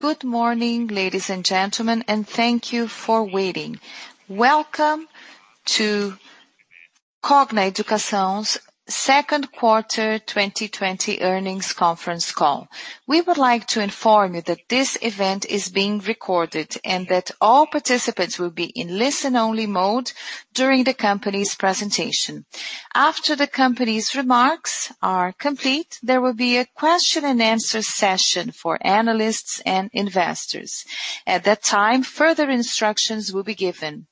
Good morning, ladies and gentlemen, and thank you for waiting. Welcome to Cogna Educação's second quarter 2020 earnings conference call. We would like to inform you that this event is being recorded, and that all participants will be in listen-only mode during the company's presentation. After the company's remarks are complete, there will be a question and answer session for analysts and investors. At that time, further instructions will be given.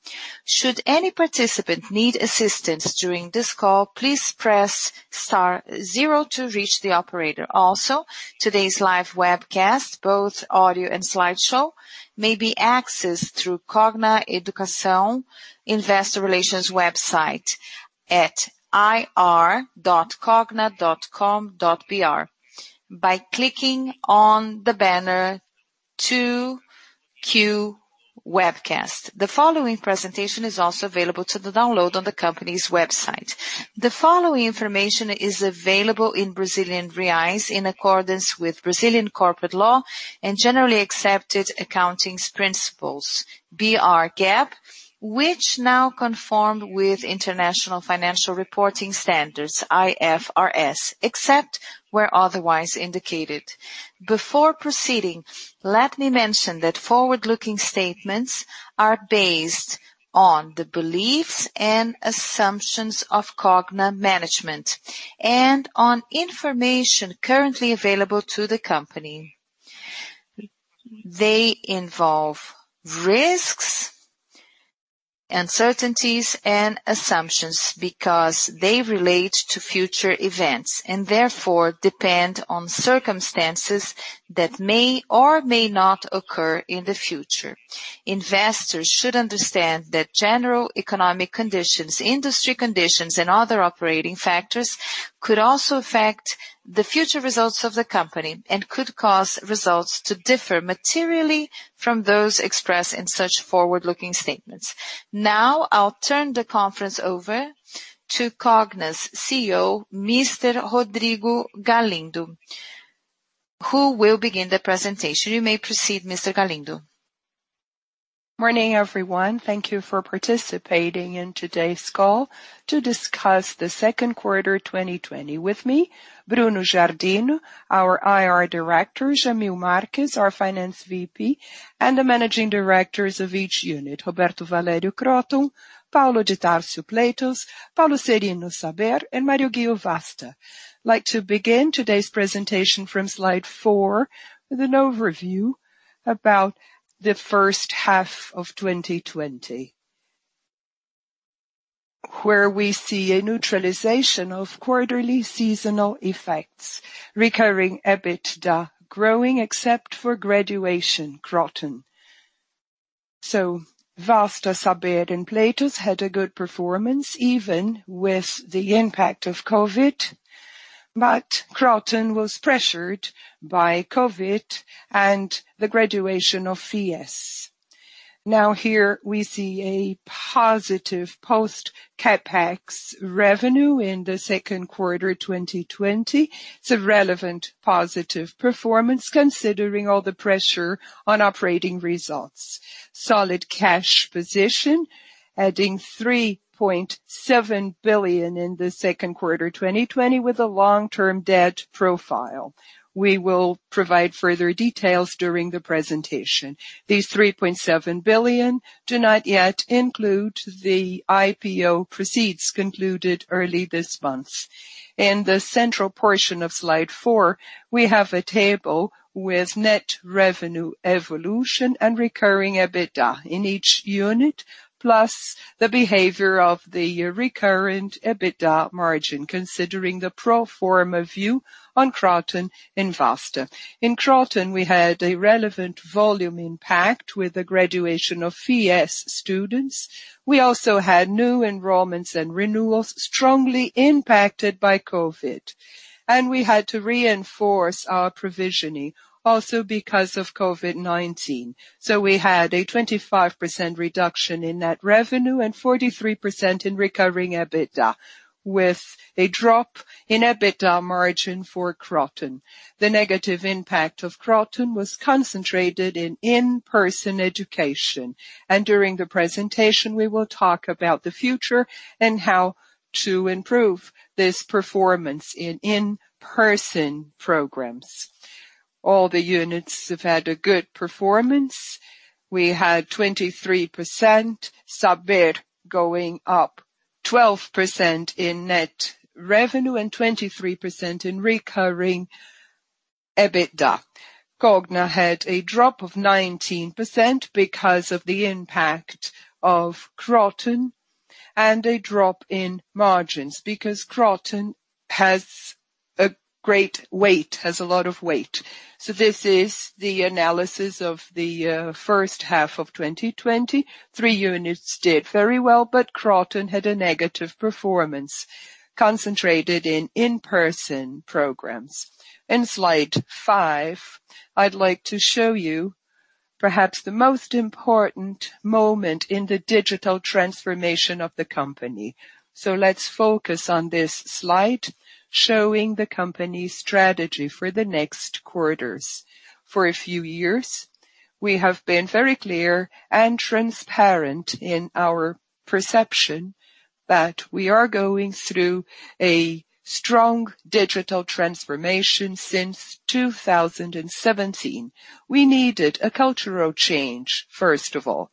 Should any participant need assistance during this call, please press star zero to reach the operator. Also, today's live webcast, both audio and slideshow, may be accessed through Cogna Educação Investor Relations website at ir.cogna.com.br by clicking on the banner 2Q Webcast. The following presentation is also available to download on the company's website. The following information is available in Brazilian reais in accordance with Brazilian corporate law and generally accepted accounting principles, BR GAAP, which now conform with International Financial Reporting Standards, IFRS, except where otherwise indicated. Before proceeding, let me mention that forward-looking statements are based on the beliefs and assumptions of Cogna management and on information currently available to the company. They involve risks, uncertainties, and assumptions because they relate to future events and therefore depend on circumstances that may or may not occur in the future. Investors should understand that general economic conditions, industry conditions, and other operating factors could also affect the future results of the company and could cause results to differ materially from those expressed in such forward-looking statements. Now, I'll turn the conference over to Cogna's CEO, Mr. Rodrigo Galindo, who will begin the presentation. You may proceed, Mr. Galindo. Morning, everyone. Thank you for participating in today's call to discuss the second quarter 2020. With me, Bruno Giardino, our IR Director, Jamil Marques, our Finance VP, and the managing directors of each unit, Roberto Valério Kroton, Paulo de Tarso Platos, Paulo Serino Saber, and Mario Ghio Vasta. I'd like to begin today's presentation from slide four with an overview about the first half of 2020. Where we see a neutralization of quarterly seasonal effects, recurring EBITDA growing except for graduation, Kroton. Vasta, Saber, and Platos had a good performance even with the impact of COVID, but Kroton was pressured by COVID and the graduation of FIES. Here we see a positive post-CapEx revenue in the second quarter 2020. It's a relevant positive performance considering all the pressure on operating results. Solid cash position, adding 3.7 billion in the second quarter 2020 with a long-term debt profile. We will provide further details during the presentation. These 3.7 billion do not yet include the IPO proceeds concluded early this month. In the central portion of slide four, we have a table with net revenue evolution and recurring EBITDA in each unit, plus the behavior of the recurrent EBITDA margin, considering the pro forma view on Kroton and Vasta. In Kroton, we had a relevant volume impact with the graduation of FIES students. We also had new enrollments and renewals strongly impacted by COVID, and we had to reinforce our provisioning also because of COVID-19. We had a 25% reduction in net revenue and 43% in recurring EBITDA, with a drop in EBITDA margin for Kroton. The negative impact of Kroton was concentrated in in-person education, and during the presentation, we will talk about the future and how to improve this performance in in-person programs. All the units have had a good performance. We had uncertain a decrease of 12% in net revenue and 23% in recurring EBITDA. Cogna had a drop of 19% because of the impact of Kroton and a drop in margins because Kroton has a great weight, has a lot of weight. This is the analysis of the first half of 2020. Three units did very well, Kroton had a negative performance concentrated in in-person programs. In slide five, I'd like to show you perhaps the most important moment in the digital transformation of the company. Let's focus on this slide showing the company's strategy for the next quarters. For a few years, we have been very clear and transparent in our perception that we are going through a strong digital transformation since 2017. We needed a cultural change, first of all,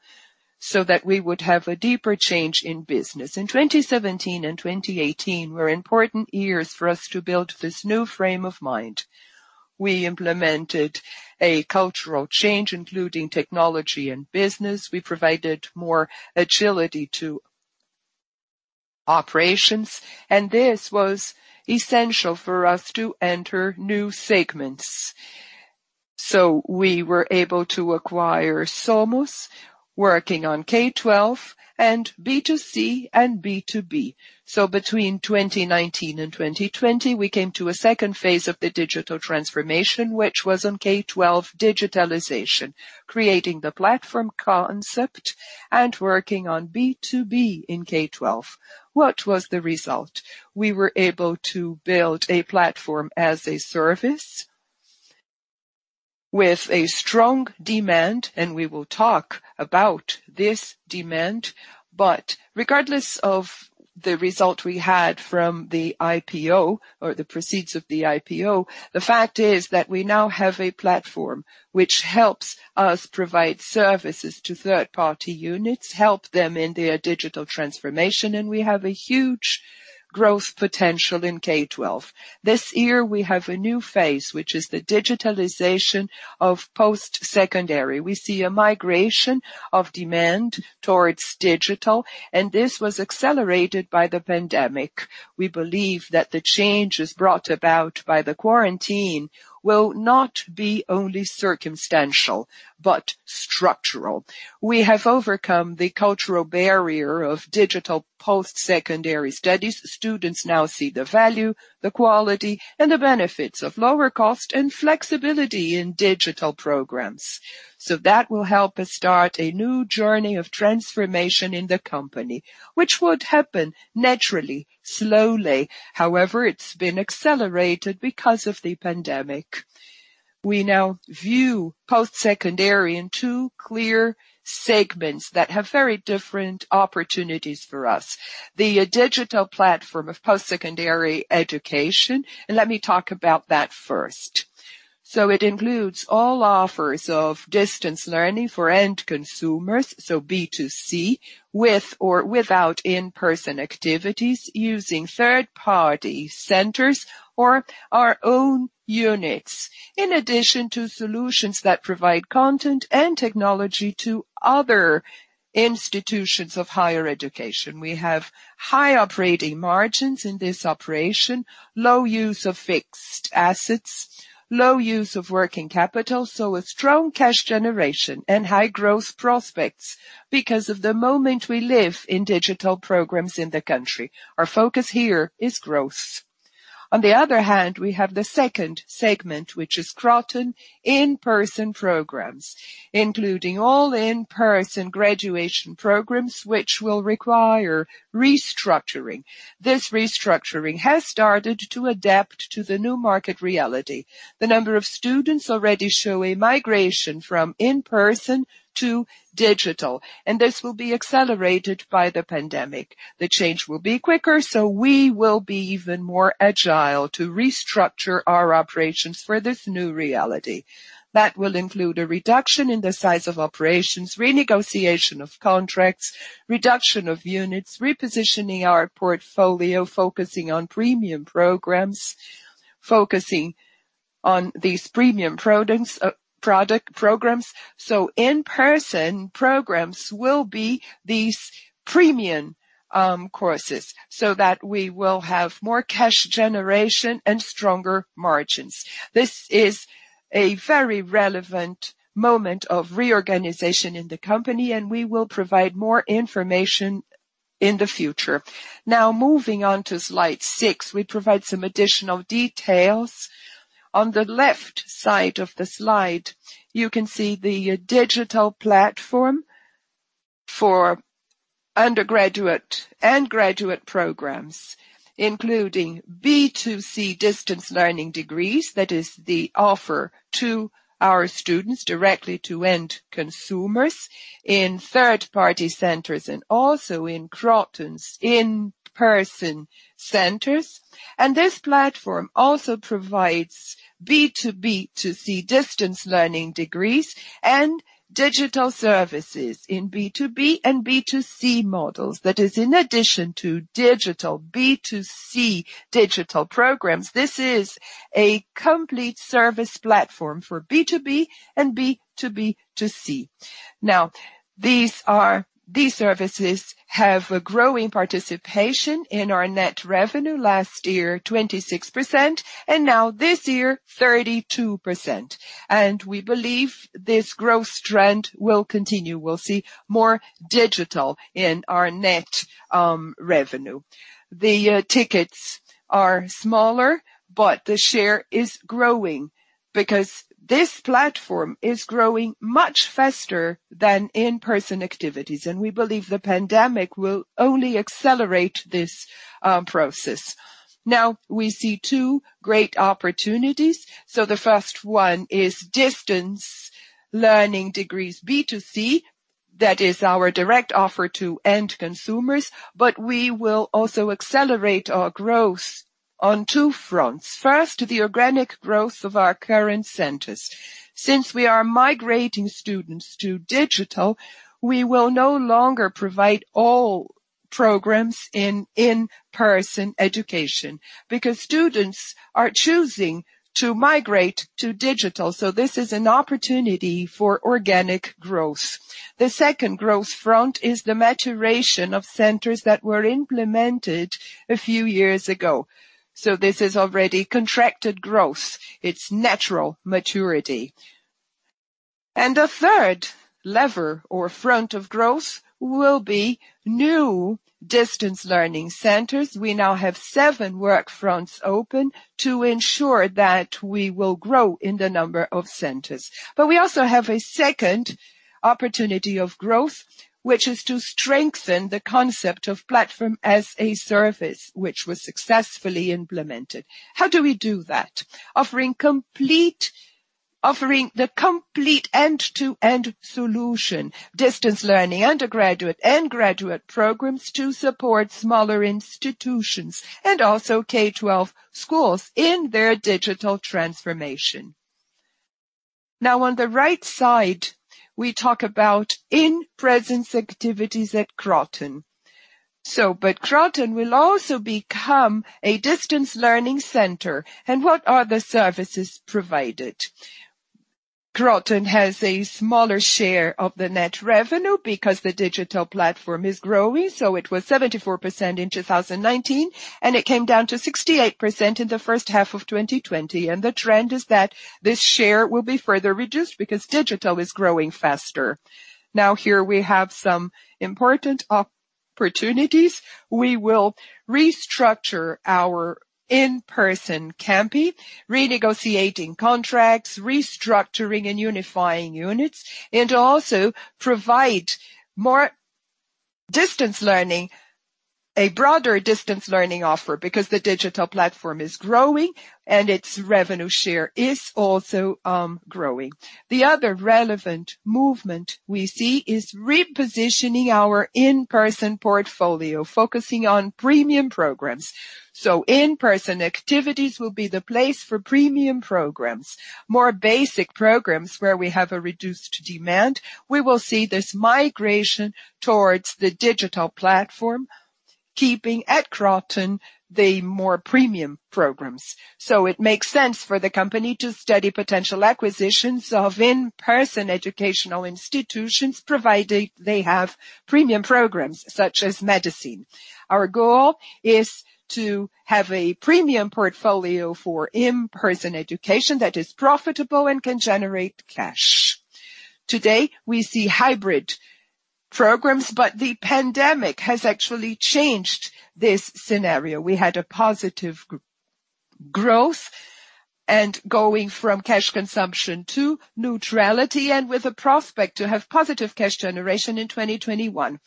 so that we would have a deeper change in business. 2017 and 2018 were important years for us to build this new frame of mind. We implemented a cultural change, including technology and business. We provided more agility to operations, and this was essential for us to enter new segments. We were able to acquire Somos working on K-12 and B2C and B2B. Between 2019 and 2020, we came to a second phase of the digital transformation, which was on K-12 digitalization, creating the platform concept and working on B2B in K-12. What was the result? We were able to build a Platform as a Service with a strong demand, and we will talk about this demand. Regardless of the result we had from the IPO or the proceeds of the IPO, the fact is that we now have a platform which helps us provide services to third-party units, help them in their digital transformation, and we have a huge growth potential in K-12. This year we have a new phase, which is the digitalization of post-secondary. We see a migration of demand towards digital, and this was accelerated by the pandemic. We believe that the changes brought about by the quarantine will not be only circumstantial but structural. We have overcome the cultural barrier of digital post-secondary studies. Students now see the value, the quality, and the benefits of lower cost and flexibility in digital programs. That will help us start a new journey of transformation in the company, which would happen naturally, slowly. However, it's been accelerated because of the pandemic. We now view post-secondary in two clear segments that have very different opportunities for us. The digital platform of post-secondary education, let me talk about that first. It includes all offers of distance learning for end consumers, B2C, with or without in-person activities using third-party centers or our own units. In addition to solutions that provide content and technology to other institutions of higher education. We have high operating margins in this operation, low use of fixed assets, low use of working capital, a strong cash generation and high growth prospects because of the moment we live in digital programs in the country. Our focus here is growth. On the other hand, we have the second segment, which is Kroton in-person programs, including all in-person graduation programs, which will require restructuring. This restructuring has started to adapt to the new market reality. The number of students already show a migration from in-person to digital, and this will be accelerated by the pandemic. The change will be quicker, we will be even more agile to restructure our operations for this new reality. That will include a reduction in the size of operations, renegotiation of contracts, reduction of units, repositioning our portfolio, focusing on premium programs, focusing on these premium programs. In-person programs will be these premium courses so that we will have more cash generation and stronger margins. This is a very relevant moment of reorganization in the company, and we will provide more information in the future. Now moving on to slide six, we provide some additional details. On the left side of the slide, you can see the digital platform for undergraduate and graduate programs, including B2C distance learning degrees. That is the offer to our students directly to end consumers in third-party centers and also in Kroton's in-person centers. This platform also provides B2B2C distance learning degrees and digital services in B2B and B2C models. That is in addition to digital B2C digital programs. This is a complete service platform for B2B and B2B2C. These services have a growing participation in our net revenue. Last year, 26%, and now this year, 32%. We believe this growth trend will continue. We'll see more digital in our net revenue. The tickets are smaller, but the share is growing because this platform is growing much faster than in-person activities, and we believe the pandemic will only accelerate this process. We see two great opportunities. The first one is distance learning degrees B2C, that is our direct offer to end consumers. We will also accelerate our growth on two fronts. First, the organic growth of our current centers. Since we are migrating students to digital, we will no longer provide all programs in in-person education, because students are choosing to migrate to digital. This is an opportunity for organic growth. The second growth front is the maturation of centers that were implemented a few years ago. This is already contracted growth, it's natural maturity. The third lever or front of growth will be new distance learning centers. We now have seven work fronts open to ensure that we will grow in the number of centers. We also have a second opportunity of growth, which is to strengthen the concept of Platform as a Service, which was successfully implemented. How do we do that? Offering the complete end-to-end solution, distance learning, undergraduate and graduate programs to support smaller institutions, and also K-12 schools in their digital transformation. On the right side, we talk about in-presence activities at Kroton. Kroton will also become a distance learning center. What are the services provided? Kroton has a smaller share of the net revenue because the digital platform is growing. It was 74% in 2019, and it came down to 68% in the first half of 2020. The trend is that this share will be further reduced because digital is growing faster. Here we have some important opportunities. We will restructure our in-person campi, renegotiating contracts, restructuring and unifying units, and also provide a broader distance learning offer, because the digital platform is growing and its revenue share is also growing. The other relevant movement we see is repositioning our in-person portfolio, focusing on premium programs. In-person activities will be the place for premium programs. More basic programs where we have a reduced demand, we will see this migration towards the digital platform, keeping at Kroton the more premium programs. It makes sense for the company to study potential acquisitions of in-person educational institutions, provided they have premium programs such as medicine. Our goal is to have a premium portfolio for in-person education that is profitable and can generate cash. Today, we see hybrid programs, the pandemic has actually changed this scenario. We had a positive growth and going from cash consumption to neutrality, and with a prospect to have positive cash generation in 2021.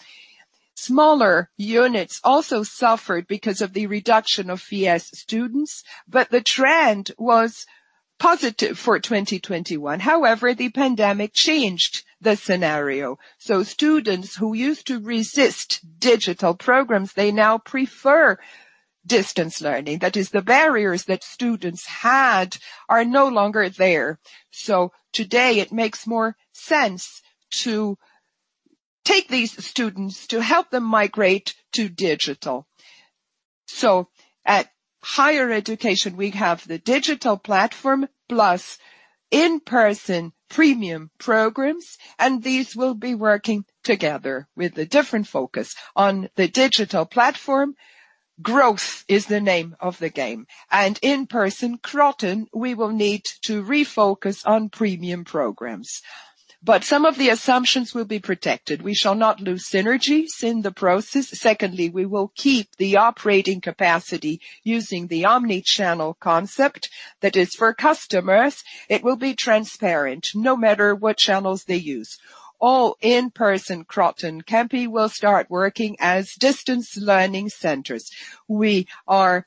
Smaller units also suffered because of the reduction of Fies students, the trend was positive for 2021. The pandemic changed the scenario. Students who used to resist digital programs, they now prefer distance learning. That is, the barriers that students had are no longer there. Today it makes more sense to take these students to help them migrate to digital. At higher education, we have the digital platform plus in-person premium programs, and these will be working together with a different focus. On the digital platform, growth is the name of the game. In-person Kroton, we will need to refocus on premium programs. Some of the assumptions will be protected. We shall not lose synergies in the process. Secondly, we will keep the operating capacity using the omnichannel concept. That is, for customers, it will be transparent no matter what channels they use. All in-person Kroton campi will start working as distance learning centers. We are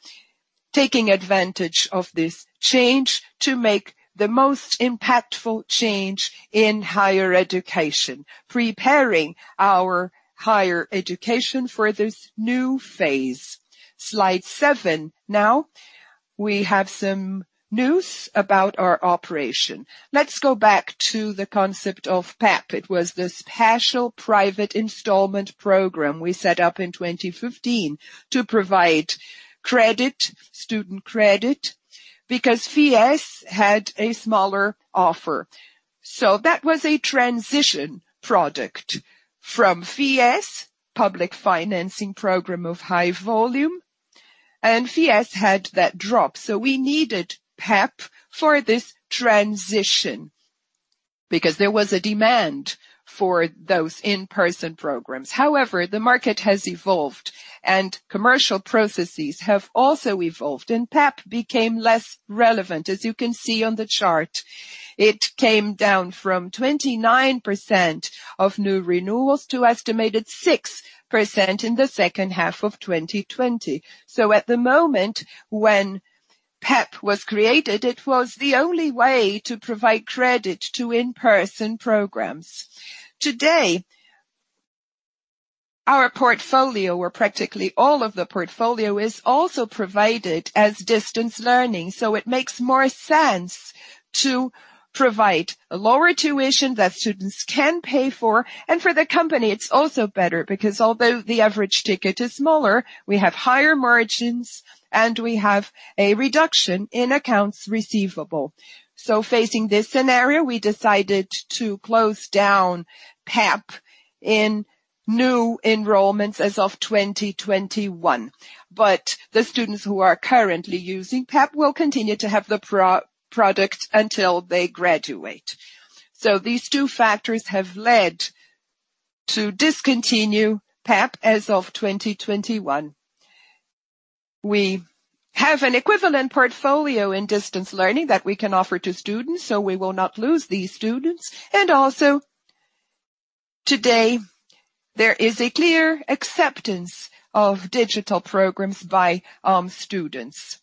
taking advantage of this change to make the most impactful change in higher education, preparing our higher education for this new phase. Slide seven. We have some news about our operation. Let's go back to the concept of PEP. It was this Partial Private Installment Program we set up in 2015 to provide student credit, because FIES had a smaller offer. That was a transition product from FIES, public financing program of high volume. FIES had that drop, so we needed PEP for this transition because there was a demand for those in-person programs. However, the market has evolved and commercial processes have also evolved, and PEP became less relevant. As you can see on the chart, it came down from 29% of new renewals to estimated 6% in the second half of 2020. At the moment when PEP was created, it was the only way to provide credit to in-person programs. Today, our portfolio, or practically all of the portfolio, is also provided as distance learning. It makes more sense to provide a lower tuition that students can pay for. For the company, it's also better because although the average ticket is smaller, we have higher margins, and we have a reduction in accounts receivable. Facing this scenario, we decided to close down PEP in new enrollments as of 2021. The students who are currently using PEP will continue to have the product until they graduate. These two factors have led to discontinue PEP as of 2021. We have an equivalent portfolio in distance learning that we can offer to students, so we will not lose these students. Also, today, there is a clear acceptance of digital programs by students.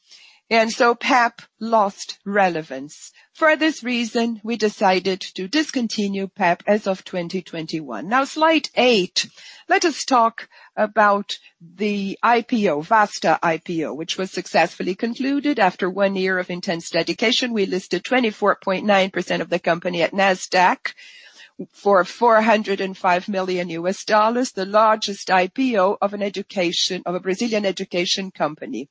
So PEP lost relevance. For this reason, we decided to discontinue PEP as of 2021. Now, slide eight. Let us talk about the IPO, Vasta IPO, which was successfully concluded after one year of intense dedication. We listed 24.9% of the company at Nasdaq for $405 million, the largest IPO of a Brazilian education company.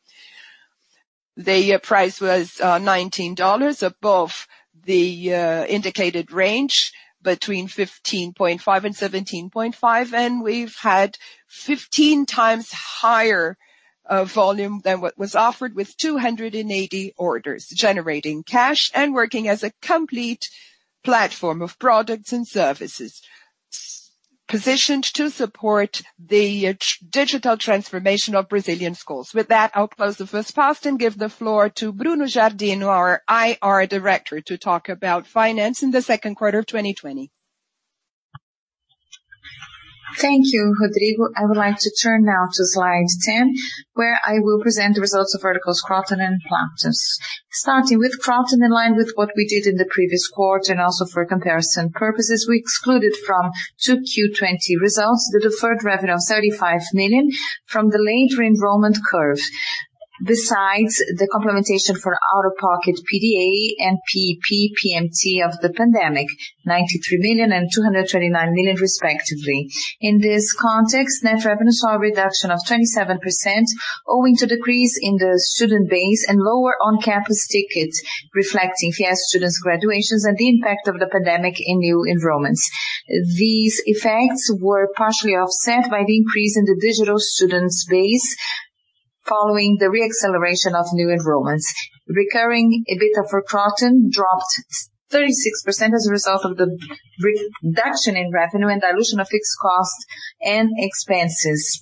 The price was $19 above the indicated range between $15.5 and $17.5, and we've had 15x higher volume than what was offered with 280 orders, generating cash and working as a complete platform of products and services, positioned to support the digital transformation of Brazilian schools. With that, I'll close the first part and give the floor to Bruno Giardino, our IR director, to talk about finance in the second quarter of 2020. Thank you, Rodrigo. I would like to turn now to slide 10, where I will present the results of Verticals Kroton and Platos. Starting with Kroton, in line with what we did in the previous quarter, also for comparison purposes, we excluded from 2Q20 results the deferred revenue of 35 million from the later enrollment curve. The complementation for out-of-pocket PDA and PEP/PMT of the pandemic, 93 million and 229 million respectively. In this context, net revenues saw a reduction of 27%, owing to decrease in the student base and lower on-campus tickets reflecting FIES students graduations and the impact of the pandemic in new enrollments. These effects were partially offset by the increase in the digital students base following the re-acceleration of new enrollments. Recurring EBITDA for Kroton dropped 36% as a result of the reduction in revenue and dilution of fixed costs and expenses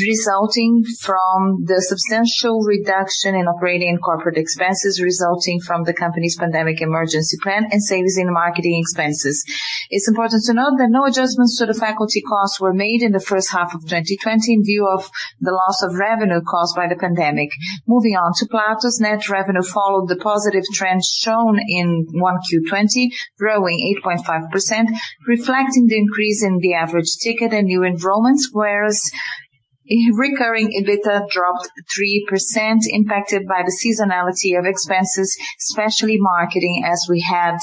resulting from the substantial reduction in operating and corporate expenses resulting from the company's pandemic emergency plan and savings in marketing expenses. It's important to note that no adjustments to the faculty costs were made in the first half of 2020 in view of the loss of revenue caused by the pandemic. Moving on to Platos. Net revenue followed the positive trends shown in 1Q20, growing 8.5%, reflecting the increase in the average ticket and new enrollments, whereas recurring EBITDA dropped 3%, impacted by the seasonality of expenses, especially marketing, as we had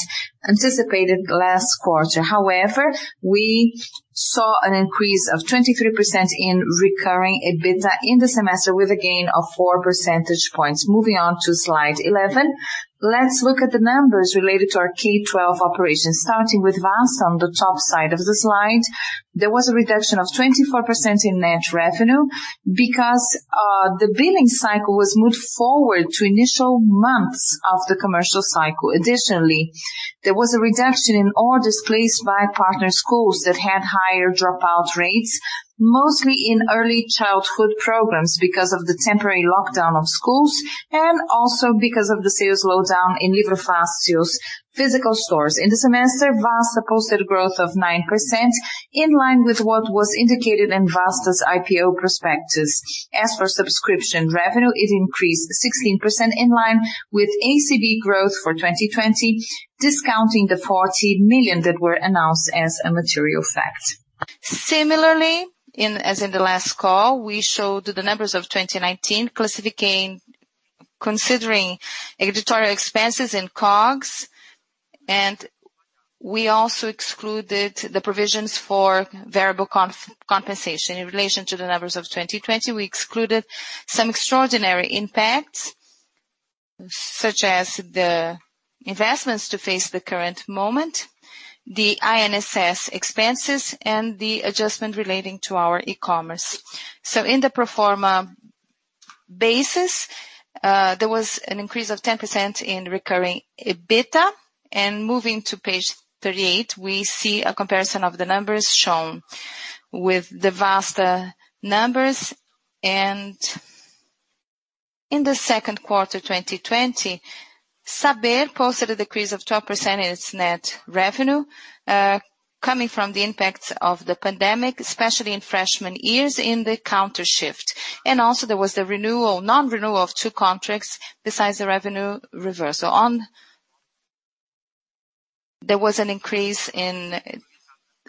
anticipated last quarter. However, we saw an increase of 23% in recurring EBITDA in the semester with a gain of four percentage points. Moving on to slide 11. Let's look at the numbers related to our K-12 operations, starting with Vasta on the top side of the slide. There was a reduction of 24% in net revenue because the billing cycle was moved forward to initial months of the commercial cycle. Additionally, there was a reduction in orders placed by partner schools that had higher dropout rates, mostly in early childhood programs because of the temporary lockdown of schools and also because of the sales slowdown in Livrarias Saraiva's physical stores. In the semester, Vasta posted growth of 9%, in line with what was indicated in Vasta's IPO prospectus. As for subscription revenue, it increased 16% in line with ACV growth for 2020, discounting the 40 million that were announced as a material fact. Similarly, as in the last call, we showed the numbers of 2019 considering editorial expenses and COGS. We also excluded the provisions for variable compensation. In relation to the numbers of 2020, we excluded some extraordinary impacts, such as the investments to face the current moment, the INSS expenses, and the adjustment relating to our e-commerce. In the pro forma basis, there was an increase of 10% in recurring EBITDA. Moving to page 38, we see a comparison of the numbers shown with the Vasta numbers. In the second quarter 2020, Saber posted a decrease of 12% in its net revenue, coming from the impacts of the pandemic, especially in freshman years in the counter shift. Also, there was the non-renewal of two contracts besides the revenue reversal. There was an increase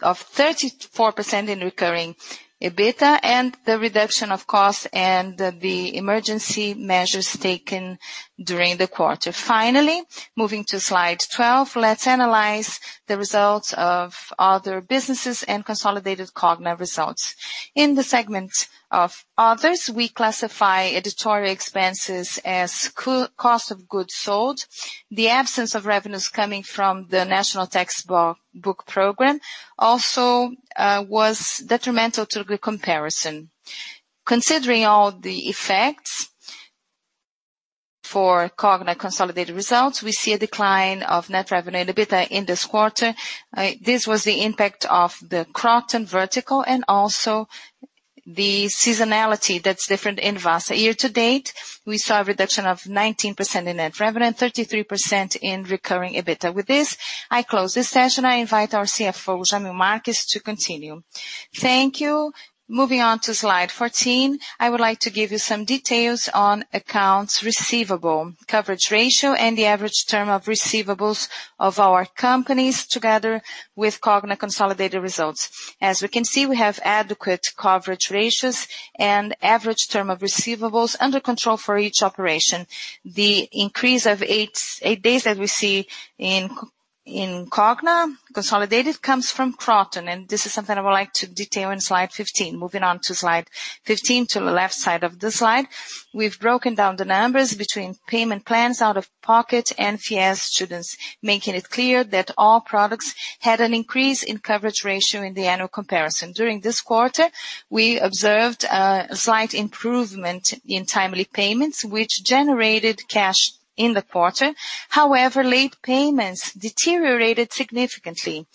of 34% in recurring EBITDA and the reduction of costs and the emergency measures taken during the quarter. Finally, moving to slide 12, let's analyze the results of other businesses and consolidated Cogna results. In the segment of others, we classify editorial expenses as cost of goods sold. The absence of revenues coming from the National Textbook Program also was detrimental to the comparison. Considering all the effects for Cogna consolidated results, we see a decline of net revenue and EBITDA in this quarter. This was the impact of the Kroton vertical and also the seasonality that's different in Vasta. Year to date, we saw a reduction of 19% in net revenue and 33% in recurring EBITDA. With this, I close this session, and I invite our CFO, Jamil Marques, to continue. Thank you. Moving on to slide 14, I would like to give you some details on accounts receivable, coverage ratio, and the average term of receivables of our companies together with Cogna consolidated results. As we can see, we have adequate coverage ratios and average term of receivables under control for each operation. The increase of eight days that we see in Cogna consolidated comes from Kroton, and this is something I would like to detail in slide 15. Moving on to slide 15. To the left side of the slide, we've broken down the numbers between payment plans, out-of-pocket, and FIES students, making it clear that all products had an increase in coverage ratio in the annual comparison. During this quarter, we observed a slight improvement in timely payments, which generated cash in the quarter. Late payments deteriorated significantly,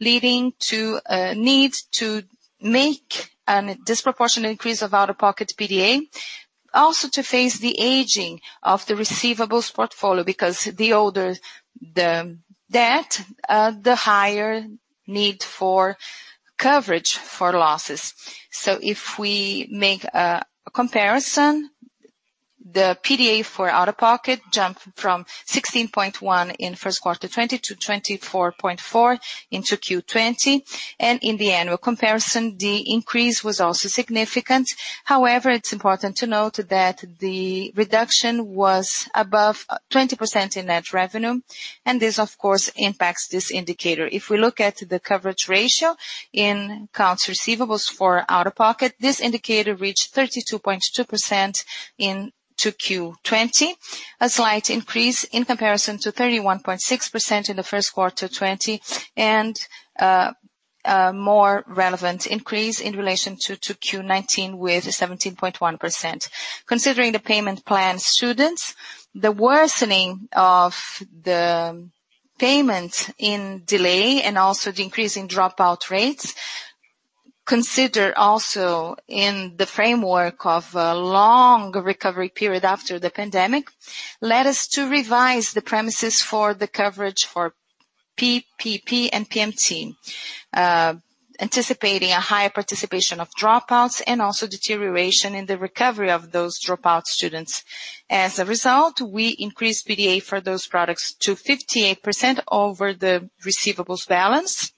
leading to a need to make a disproportionate increase of out-of-pocket PDA, also to face the aging of the receivables portfolio, because the older the debt, the higher need for coverage for losses. If we make a comparison, the PDA for out-of-pocket jumped from 16.1% in first quarter 2020 to 24.4% in 2Q20. In the annual comparison, the increase was also significant. It's important to note that the reduction was above 20% in net revenue, and this, of course, impacts this indicator. If we look at the coverage ratio in accounts receivables for out-of-pocket, this indicator reached 32.2% in 2Q20, a slight increase in comparison to 31.6% in the first quarter 2020 and a more relevant increase in relation 2Q 2019 with 17.1%. Considering the payment plan students, the worsening of the payment in delay and also the increase in dropout rates, consider also in the framework of a long recovery period after the pandemic, led us to revise the premises for the coverage for PEP and PMT, anticipating a higher participation of dropouts and also deterioration in the recovery of those dropout students. As a result, we increased PDA for those products to 58% over the receivables balance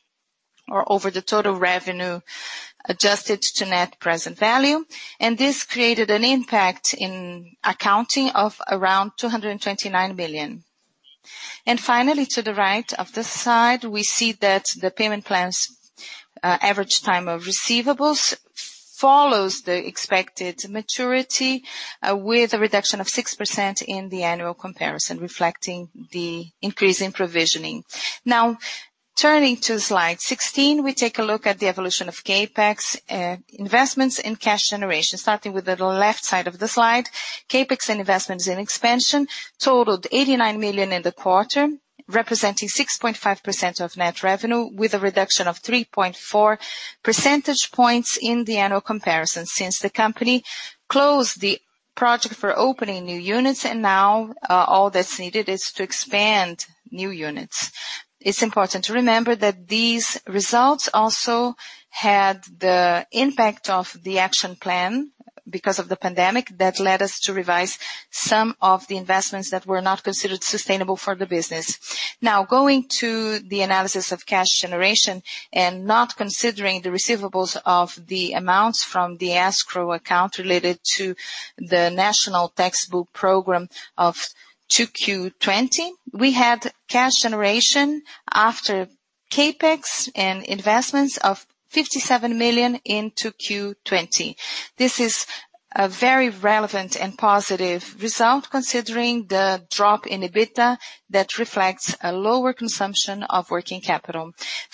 or over the total revenue adjusted to net present value. This created an impact in accounting of around 229 million. Finally, to the right of this slide, we see that the payment plan's average time of receivables follows the expected maturity with a reduction of 6% in the annual comparison, reflecting the increase in provisioning. Now, turning to slide 16, we take a look at the evolution of CapEx investments in cash generation. Starting with the left side of the slide. CapEx investments in expansion totaled 89 million in the quarter, representing 6.5% of net revenue, with a reduction of 3.4 percentage points in the annual comparison since the company closed the project for opening new units and now all that's needed is to expand new units. It's important to remember that these results also had the impact of the action plan because of the pandemic that led us to revise some of the investments that were not considered sustainable for the business. Now, going to the analysis of cash generation and not considering the receivables of the amounts from the escrow account related to the National Textbook Program of 2Q20, we had cash generation after CapEx and investments of 57 million into 2Q20. This is a very relevant and positive result considering the drop in EBITDA that reflects a lower consumption of working capital.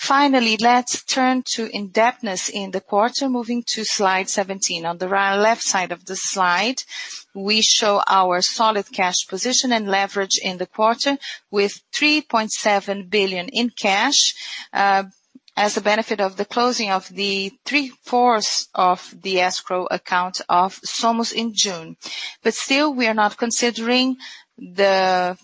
Let's turn to indebtedness in the quarter, moving to slide 17. On the left side of the slide, we show our solid cash position and leverage in the quarter with 3.7 billion in cash. As the benefit of the closing of the three-fourths of the escrow account of Somos in June. Still, we are not considering the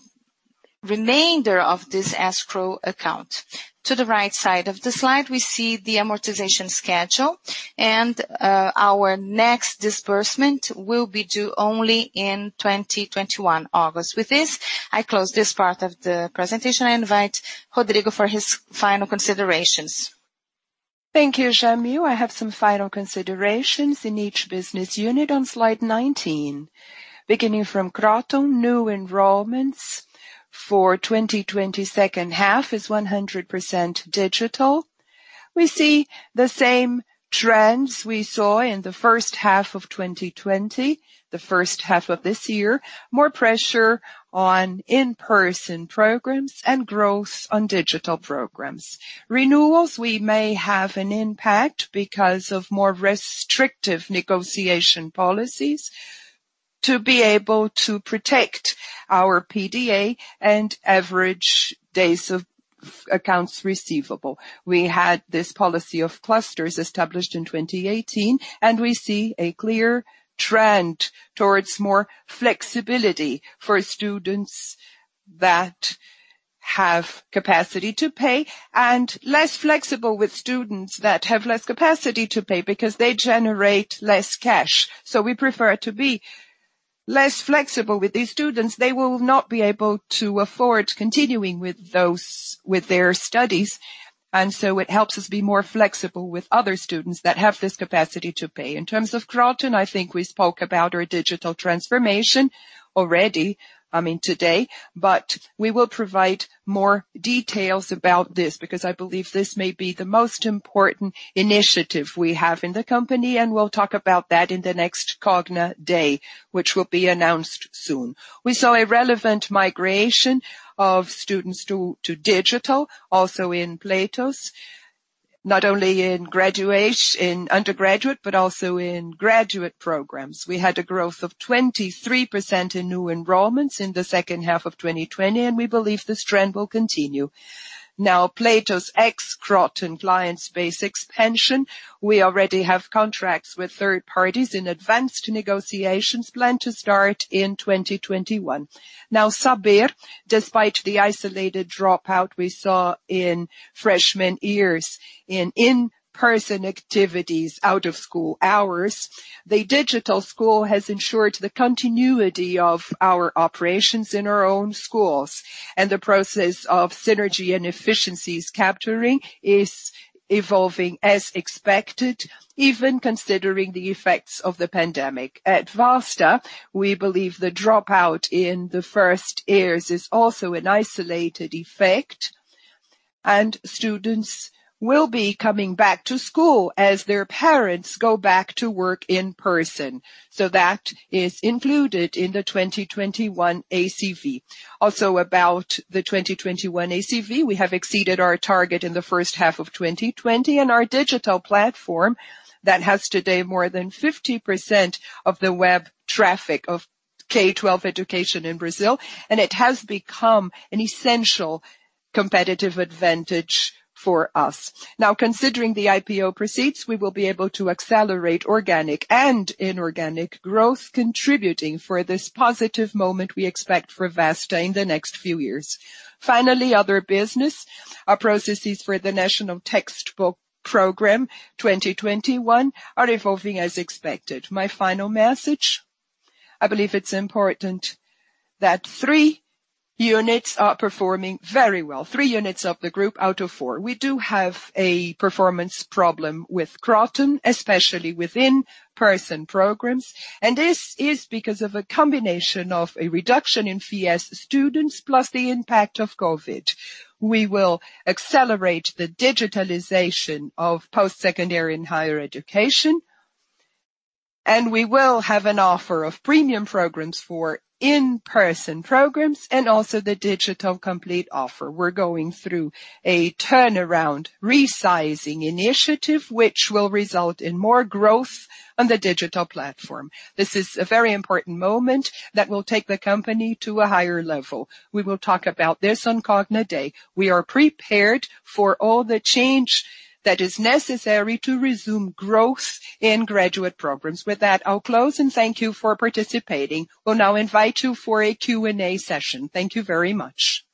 remainder of this escrow account. To the right side of the slide, we see the amortization schedule, and our next disbursement will be due only in August 2021. With this, I close this part of the presentation. I invite Rodrigo for his final considerations. Thank you, Jamil. I have some final considerations in each business unit on slide 19. Beginning from Kroton, new enrollments for 2020 second half is 100% digital. We see the same trends we saw in the first half of 2020, the first half of this year. More pressure on in-person programs and growth on digital programs. Renewals, we may have an impact because of more restrictive negotiation policies to be able to protect our PDA and average days of accounts receivable. We had this policy of clusters established in 2018, and we see a clear trend towards more flexibility for students that have capacity to pay, and less flexible with students that have less capacity to pay because they generate less cash. We prefer to be less flexible with these students. They will not be able to afford continuing with their studies, and so it helps us be more flexible with other students that have this capacity to pay. In terms of Kroton, I think we spoke about our digital transformation already, today. We will provide more details about this because I believe this may be the most important initiative we have in the company, and we'll talk about that in the next Cogna Day, which will be announced soon. We saw a relevant migration of students to digital, also in Platos. Not only in undergraduate, but also in graduate programs. We had a growth of 23% in new enrollments in the second half of 2020, and we believe this trend will continue. Now, Platos ex-Kroton client base expansion. We already have contracts with third parties in advanced negotiations planned to start in 2021. Now, Saber, despite the isolated dropout we saw in freshman years in in-person activities out of school hours, the digital school has ensured the continuity of our operations in our own schools, and the process of synergy and efficiencies capturing is evolving as expected, even considering the effects of the pandemic. At Vasta, we believe the dropout in the first years is also an isolated effect, and students will be coming back to school as their parents go back to work in person. That is included in the 2021 ACV. Also about the 2021 ACV, we have exceeded our target in the first half of 2020 in our digital platform that has today more than 50% of the web traffic of K-12 education in Brazil, and it has become an essential competitive advantage for us. Now considering the IPO proceeds, we will be able to accelerate organic and inorganic growth contributing for this positive moment we expect for Vasta in the next few years. Finally, other business. Our processes for the National Textbook Program 2021 are evolving as expected. My final message, I believe it's important that three units are performing very well. Three units of the group out of four. We do have a performance problem with Kroton, especially with in-person programs, and this is because of a combination of a reduction in FIES students, plus the impact of COVID. We will accelerate the digitalization of post-secondary and higher education, and we will have an offer of premium programs for in-person programs and also the digital complete offer. We're going through a turnaround resizing initiative, which will result in more growth on the digital platform. This is a very important moment that will take the company to a higher level. We will talk about this on Cogna Day. We are prepared for all the change that is necessary to resume growth in graduate programs. With that, I'll close and thank you for participating. I will now invite you for a Q&A session. Thank you very much.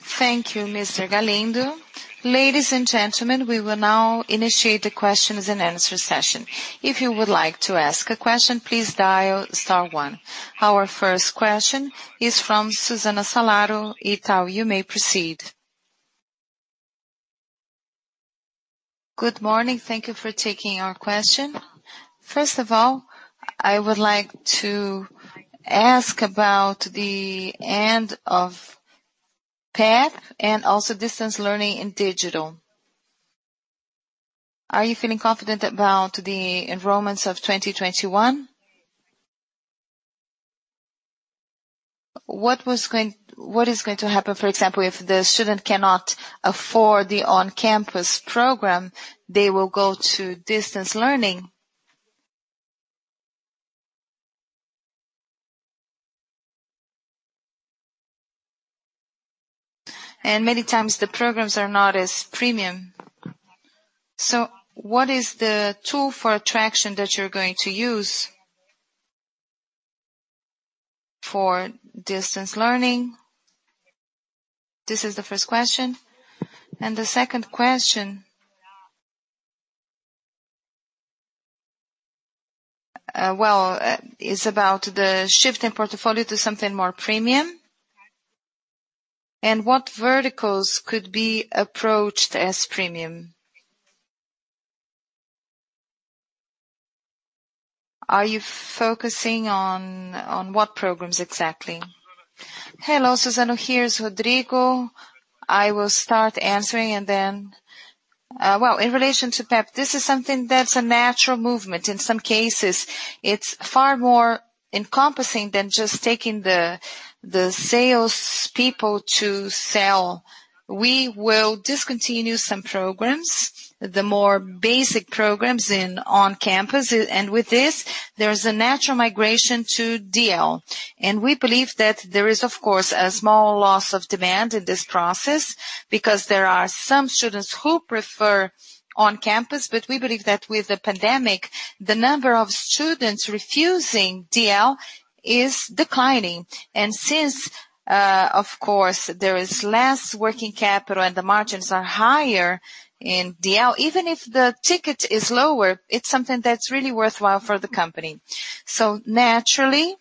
Thank you, Mr. Galindo. Ladies and gentlemen, we will now initiate the questions and answer session. If you would like to ask a question, please dial star one. Our first question is from Susana Salaru, Itaú, you may proceed. Good morning. Thank you for taking our question. First of all, I would like to ask about the end of PEP and also distance learning in digital. Are you feeling confident about the enrollments of 2021? What is going to happen, for example, if the student cannot afford the on-campus program, they will go to distance learning. Many times the programs are not as premium. What is the tool for attraction that you're going to use for distance learning? This is the first question. The second question is about the shift in portfolio to something more premium and what verticals could be approached as premium. Are you focusing on what programs exactly? Hello, Susana. Here's Rodrigo. I will start answering. In relation to PEP, this is something that's a natural movement. In some cases, it's far more encompassing than just taking the salespeople to sell. We will discontinue some programs, the more basic programs in on-campus. With this, there's a natural migration to DL. We believe that there is, of course, a small loss of demand in this process because there are some students who prefer on-campus. We believe that with the pandemic, the number of students refusing DL is declining. Since, of course, there is less working capital and the margins are higher in DL, even if the ticket is lower, it's something that's really worthwhile for the company. Naturally,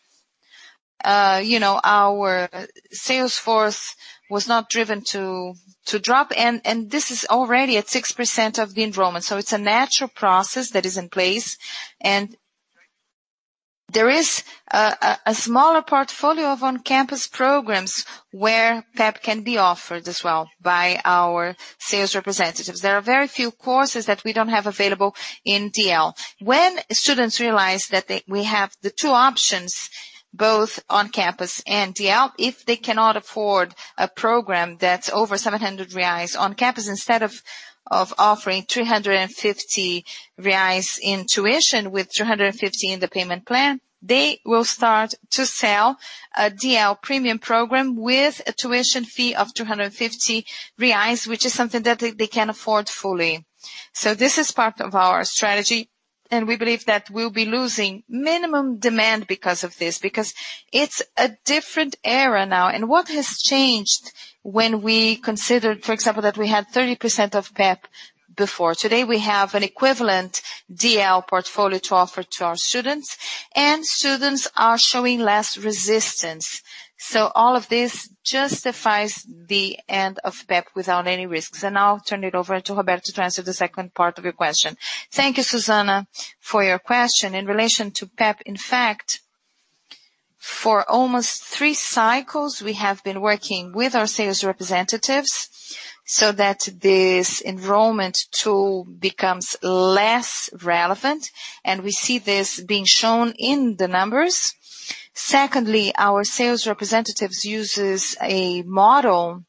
our sales force was not driven to drop. This is already at 6% of the enrollment. It's a natural process that is in place. There is a smaller portfolio of on-campus programs where PEP can be offered as well by our sales representatives. There are very few courses that we don't have available in DL. When students realize that we have the two options, both on campus and DL, if they cannot afford a program that's over 700 reais on campus, instead of offering 350 reais in tuition with 350 in the payment plan, they will start to sell a DL premium program with a tuition fee of 250 reais, which is something that they can afford fully. This is part of our strategy, and we believe that we'll be losing minimum demand because of this, because it's a different era now. What has changed when we considered, for example, that we had 30% of PEP before? Today we have an equivalent DL portfolio to offer to our students, and students are showing less resistance. All of this justifies the end of PEP without any risks. I'll turn it over to Roberto to answer the second part of your question. Thank you, Susana, for your question. In relation to PEP, in fact, for almost three cycles we have been working with our sales representatives so that this enrollment tool becomes less relevant, and we see this being shown in the numbers. Secondly, our sales representatives use a model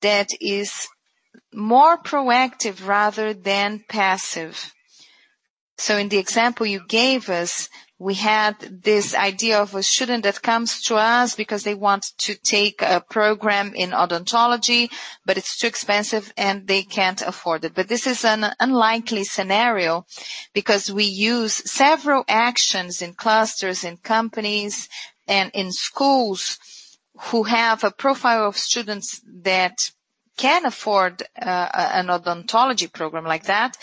that is more proactive rather than passive. In the example you gave us, we had this idea of a student that comes to us because they want to take a program in odontology, but it's too expensive and they can't afford it. This is an unlikely scenario because we use several actions in clusters, in companies, and in schools who have a profile of students that can afford an odontology program like that.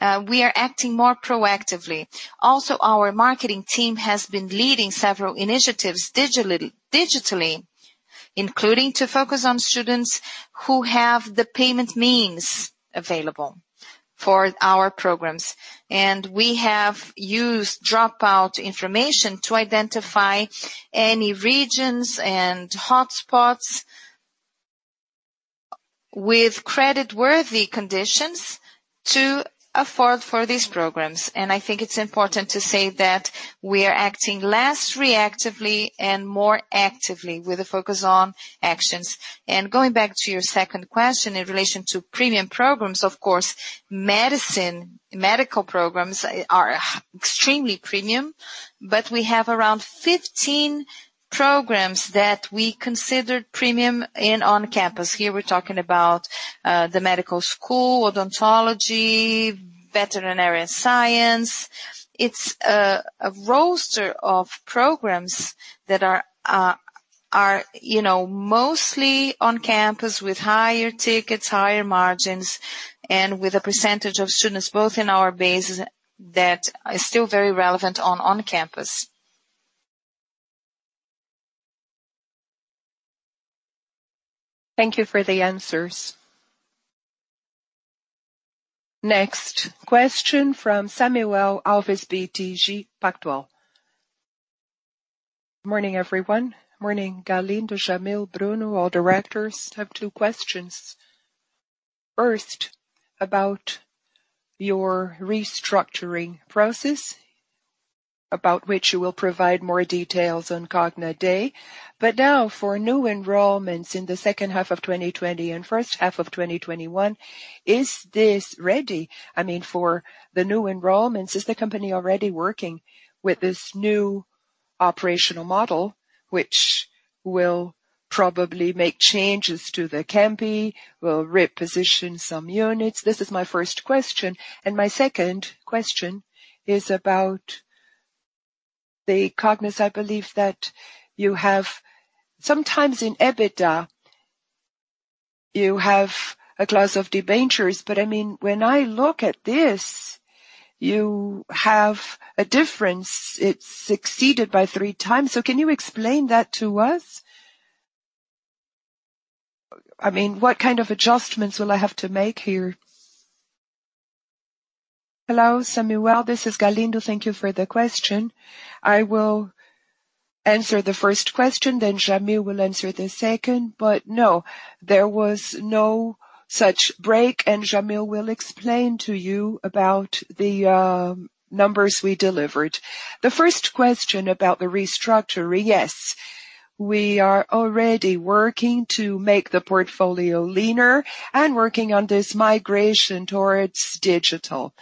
We are acting more proactively. Also, our marketing team has been leading several initiatives digitally, including to focus on students who have the payment means available for our programs. We have used dropout information to identify any regions and hotspots with creditworthy conditions to afford for these programs. I think it's important to say that we are acting less reactively and more actively with a focus on actions. Going back to your second question in relation to premium programs, of course, medical programs are extremely premium, but we have around 15 programs that we consider premium in on-campus. Here we're talking about the medical school, odontology, veterinary science. It's a roster of programs that are mostly on-campus with higher tickets, higher margins, and with a percentage of students both in our bases that are still very relevant on-campus. Thank you for the answers. Next question from Samuel Alves BTG Pactual. Morning, everyone. Morning, Galindo, Jamil, Bruno, all directors. I have two questions. First, about your restructuring process, about which you will provide more details on Cogna Day. Now for new enrollments in the second half of 2020 and first half of 2021, is this ready? For the new enrollments, is the company already working with this new operational model, which will probably make changes to the campi, will reposition some units? This is my first question. My second question is about the covenant, I believe that you have some times in EBITDA, you have a class of debentures. When I look at this, you have a difference. It's exceeded by 3x. Can you explain that to us? What kind of adjustments will I have to make here? Hello, Samuel. This is Galindo. Thank you for the question. I will answer the first question, then Jamil will answer the second. No, there was no such break, and Jamil will explain to you about the numbers we delivered. The first question about the restructuring. Yes, we are already working to make the portfolio leaner and working on this migration towards digital.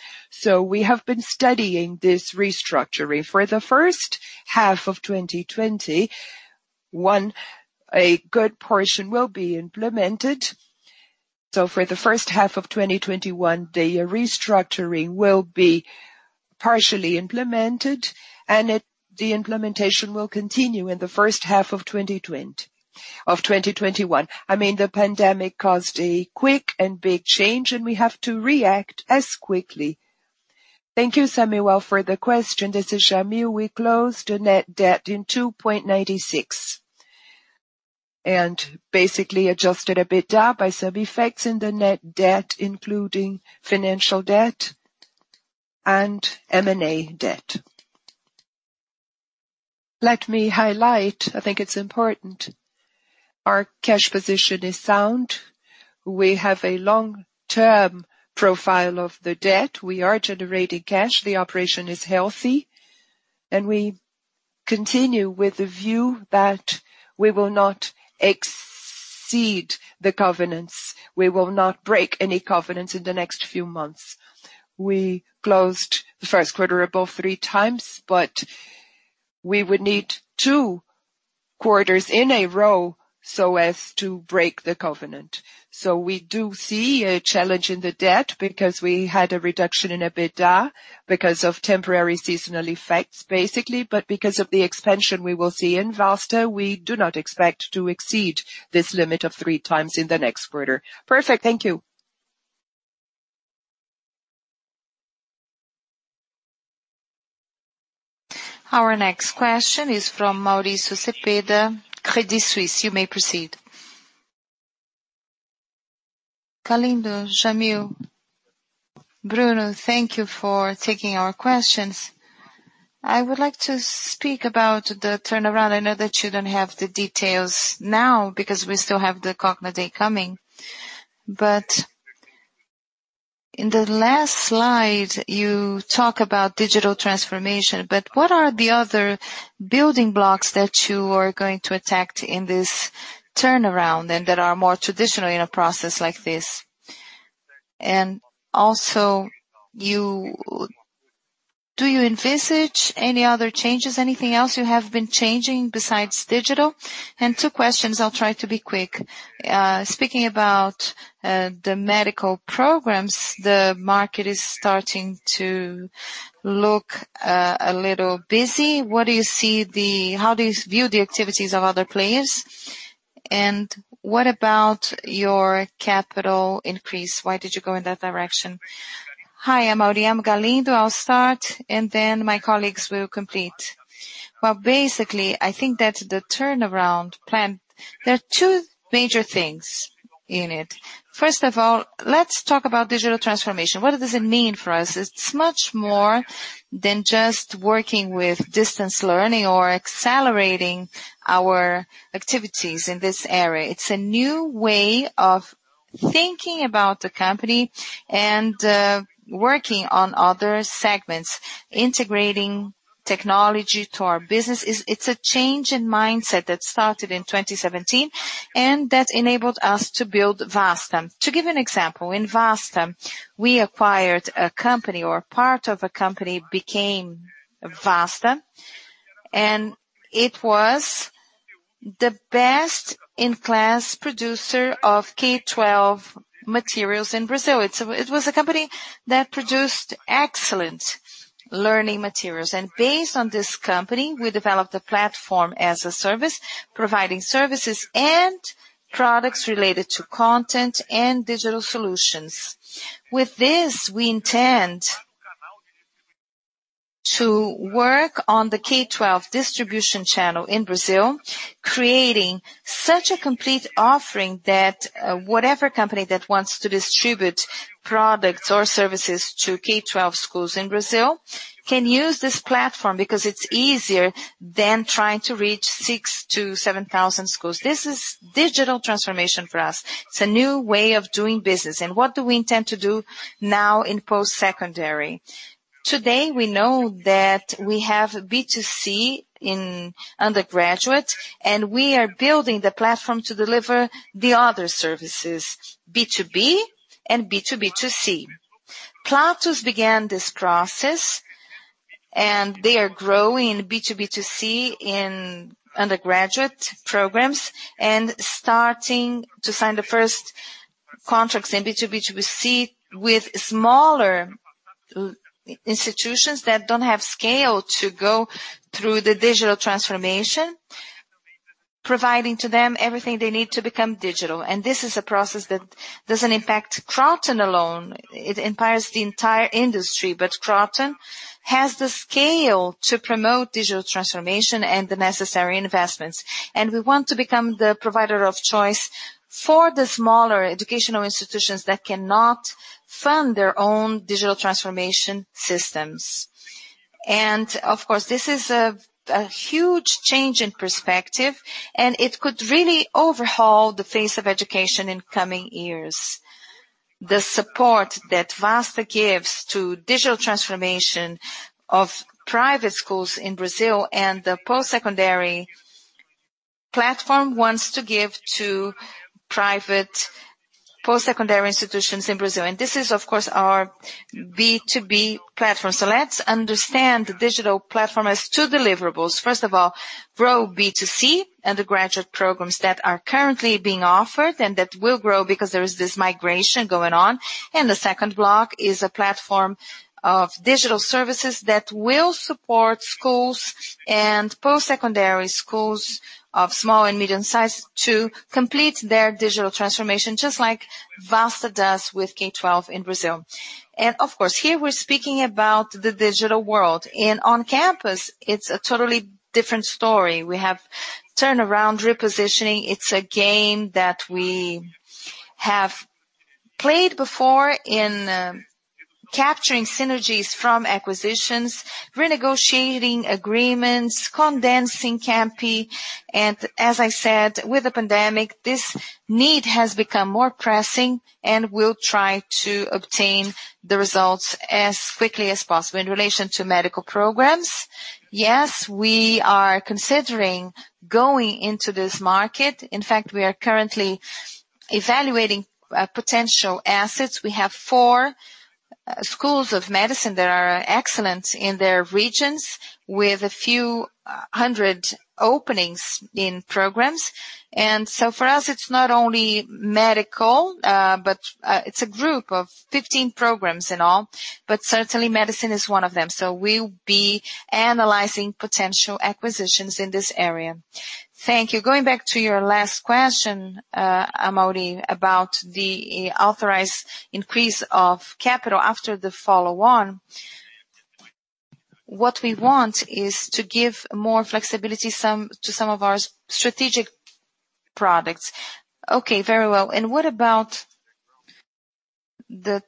We have been studying this restructuring. For the first half of 2020, a good portion will be implemented. For the first half of 2021, the restructuring will be partially implemented, and the implementation will continue in the first half of 2021. The pandemic caused a quick and big change, and we have to react as quickly. Thank you, Samuel, for the question. This is Jamil. We closed the net debt in 2.96x and basically adjusted EBITDA by some effects in the net debt, including financial debt and M&A debt. Let me highlight, I think it's important. Our cash position is sound. We have a long-term profile of the debt. We are generating cash. The operation is healthy. We continue with the view that we will not exceed the covenants. We will not break any covenants in the next few months. We closed the first quarter above 3x. We would need two quarters in a row so as to break the covenant. We do see a challenge in the debt because we had a reduction in EBITDA because of temporary seasonal effects, basically. Because of the expansion we will see in Vasta, we do not expect to exceed this limit of 3x in the next quarter. Perfect. Thank you. Our next question is from Mauricio Cepeda, Credit Suisse. You may proceed. Galindo, Jamil, Bruno, thank you for taking our questions. I would like to speak about the turnaround. I know that you don't have the details now because we still have the Cogna Day coming. In the last slide, you talk about digital transformation, but what are the other building blocks that you are going to attack in this turnaround and that are more traditional in a process like this? Also, do you envisage any other changes? Anything else you have been changing besides digital? Two questions. I'll try to be quick. Speaking about the medical programs, the market is starting to look a little busy. How do you view the activities of other players? What about your capital increase? Why did you go in that direction? Hi Mauricio, I'm Galindo. I'll start, then my colleagues will complete. Well, basically, I think that the turnaround plan, there are two major things in it. First of all, let's talk about digital transformation. What does it mean for us? It's much more than just working with distance learning or accelerating our activities in this area. It's a new way of thinking about the company and working on other segments, integrating technology to our business. It's a change in mindset that started in 2017, that enabled us to build Vasta. To give an example, in Vasta, we acquired a company or part of a company became Vasta, it was the best-in-class producer of K-12 materials in Brazil. It was a company that produced excellent learning materials. Based on this company, we developed a Platform as a Service providing services and products related to content and digital solutions. With this, we intend to work on the K-12 distribution channel in Brazil, creating such a complete offering that whatever company that wants to distribute products or services to K-12 schools in Brazil can use this platform because it's easier than trying to reach 6,000 to 7,000 schools. This is digital transformation for us. It's a new way of doing business. What do we intend to do now in post-secondary? Today, we know that we have B2C in undergraduate, and we are building the platform to deliver the other services, B2B and B2B2C. Platos began this process, and they are growing B2B2C in undergraduate programs and starting to sign the first contracts in B2B2C with smaller institutions that don't have scale to go through the digital transformation, providing to them everything they need to become digital. This is a process that doesn't impact Kroton alone. It empowers the entire industry. Kroton has the scale to promote digital transformation and the necessary investments. We want to become the provider of choice for the smaller educational institutions that cannot fund their own digital transformation systems. Of course, this is a huge change in perspective, and it could really overhaul the face of education in coming years. The support that Vasta gives to digital transformation of private schools in Brazil and the post-secondary platform wants to give to private post-secondary institutions in Brazil. This is, of course, our B2B platform. Let's understand the digital platform has two deliverables. First of all, grow B2C undergraduate programs that are currently being offered and that will grow because there is this migration going on. The second block is a platform of digital services that will support schools and post-secondary schools of small and medium size to complete their digital transformation, just like Vasta does with K-12 in Brazil. In on campus, it's a totally different story. We have turnaround repositioning. It's a game that we have played before in capturing synergies from acquisitions, renegotiating agreements, condensing campi. As I said, with the pandemic, this need has become more pressing, and we'll try to obtain the results as quickly as possible. In relation to medical programs, yes, we are considering going into this market. In fact, we are currently evaluating potential assets. We have four schools of medicine that are excellent in their regions with a few hundred openings in programs. For us, it's not only medical, but it's a group of 15 programs in all. Certainly, medicine is one of them. We'll be analyzing potential acquisitions in this area. Thank you. Going back to your last question, Mauricio, about the authorized increase of capital after the follow-on. What we want is to give more flexibility to some of our strategic products. Okay, very well. What about the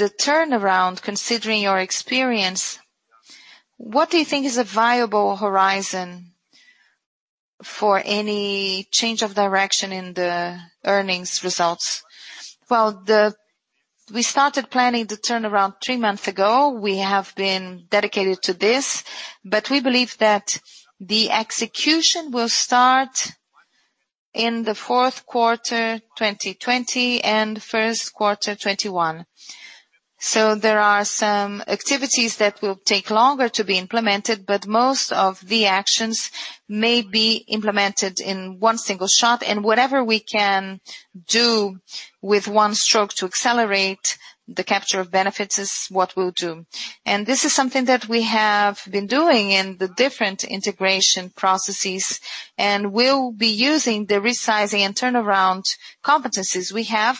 turnaround, considering your experience, what do you think is a viable horizon for any change of direction in the earnings results? Well, we started planning the turnaround three months ago. We have been dedicated to this, but we believe that the execution will start in the fourth quarter 2020 and first quarter 2021. There are some activities that will take longer to be implemented, but most of the actions may be implemented in one single shot. Whatever we can do with one stroke to accelerate the capture of benefits is what we’ll do. This is something that we have been doing in the different integration processes and will be using the resizing and turnaround competencies we have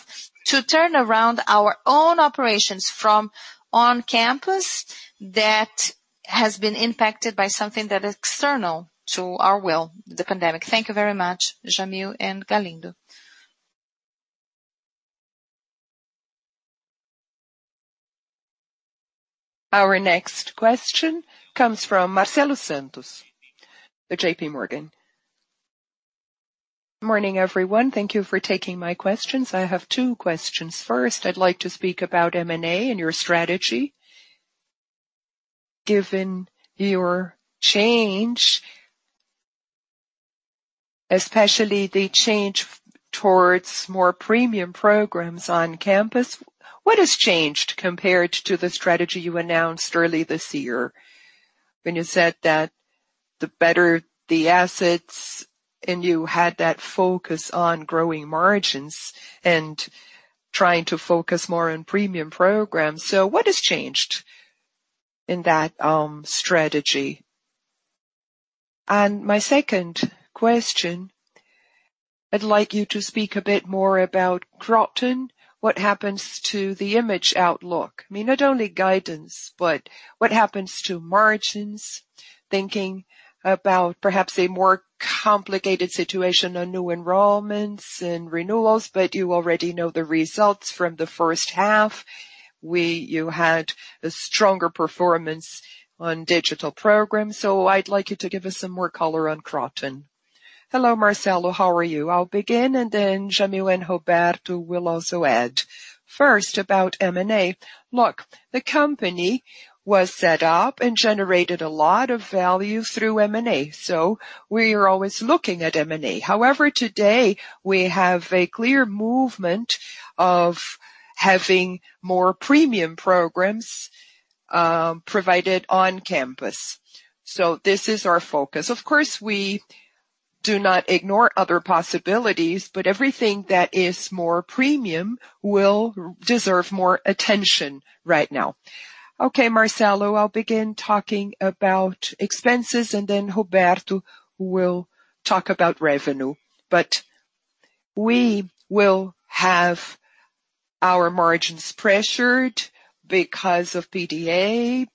to turn around our own operations from on-campus that has been impacted by something that is external to our will, the pandemic. Thank you very much, Jamil and Galindo. Our next question comes from Marcelo Santos with JPMorgan. Morning, everyone. Thank you for taking my questions. I have two questions. First, I'd like to speak about M&A and your strategy. Given your change, especially the change towards more premium programs on campus, what has changed compared to the strategy you announced early this year when you said that the better the assets, and you had that focus on growing margins and trying to focus more on premium programs. What has changed in that strategy? My second question, I'd like you to speak a bit more about Kroton. What happens to the margin outlook? Not only guidance, but what happens to margins? Thinking about perhaps a more complicated situation on new enrollments and renewals, but you already know the results from the first half. You had a stronger performance on digital programs. I'd like you to give us some more color on Kroton. Hello, Marcelo. How are you? I'll begin, and then Jamil and Roberto will also add. First, about M&A, look. The company was set up and generated a lot of value through M&A. We are always looking at M&A. Today we have a clear movement of having more premium programs provided on campus. This is our focus. Of course, we do not ignore other possibilities. Everything that is more premium will deserve more attention right now. Okay, Marcelo, I'll begin talking about expenses. Roberto will talk about revenue. We will have our margins pressured because of PCLD.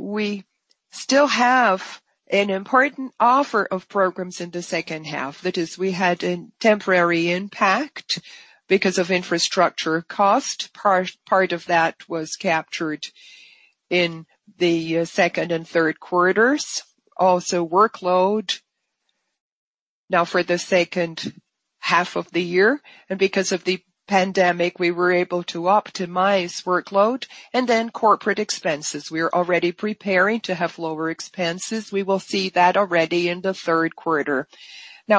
We still have an important offer of programs in the second half. That is, we had a temporary impact because of infrastructure cost. Part of that was captured in the second and third quarters. Also workload. For the second half of the year, because of the pandemic, we were able to optimize workload. Corporate expenses. We are already preparing to have lower expenses. We will see that already in the third quarter.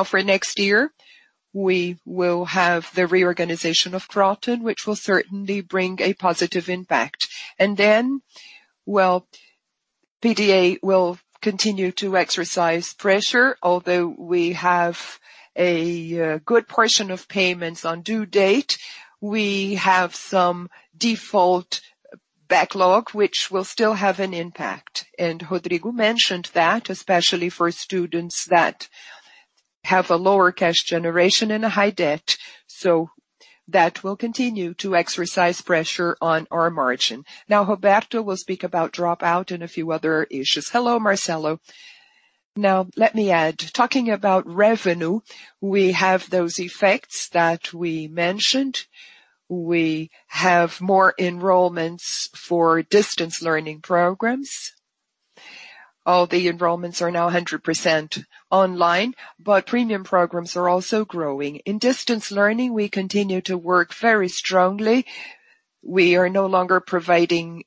For next year, we will have the reorganization of Kroton, which will certainly bring a positive impact. PDA will continue to exercise pressure, although we have a good portion of payments on due date. We have some default backlog, which will still have an impact. Rodrigo mentioned that, especially for students that have a lower cash generation and a high debt. That will continue to exercise pressure on our margin. Roberto will speak about dropout and a few other issues. Hello, Marcelo. Let me add. Talking about revenue, we have those effects that we mentioned. We have more enrollments for distance learning programs. All the enrollments are now 100% online, but premium programs are also growing. In distance learning, we continue to work very strongly. We are no longer providing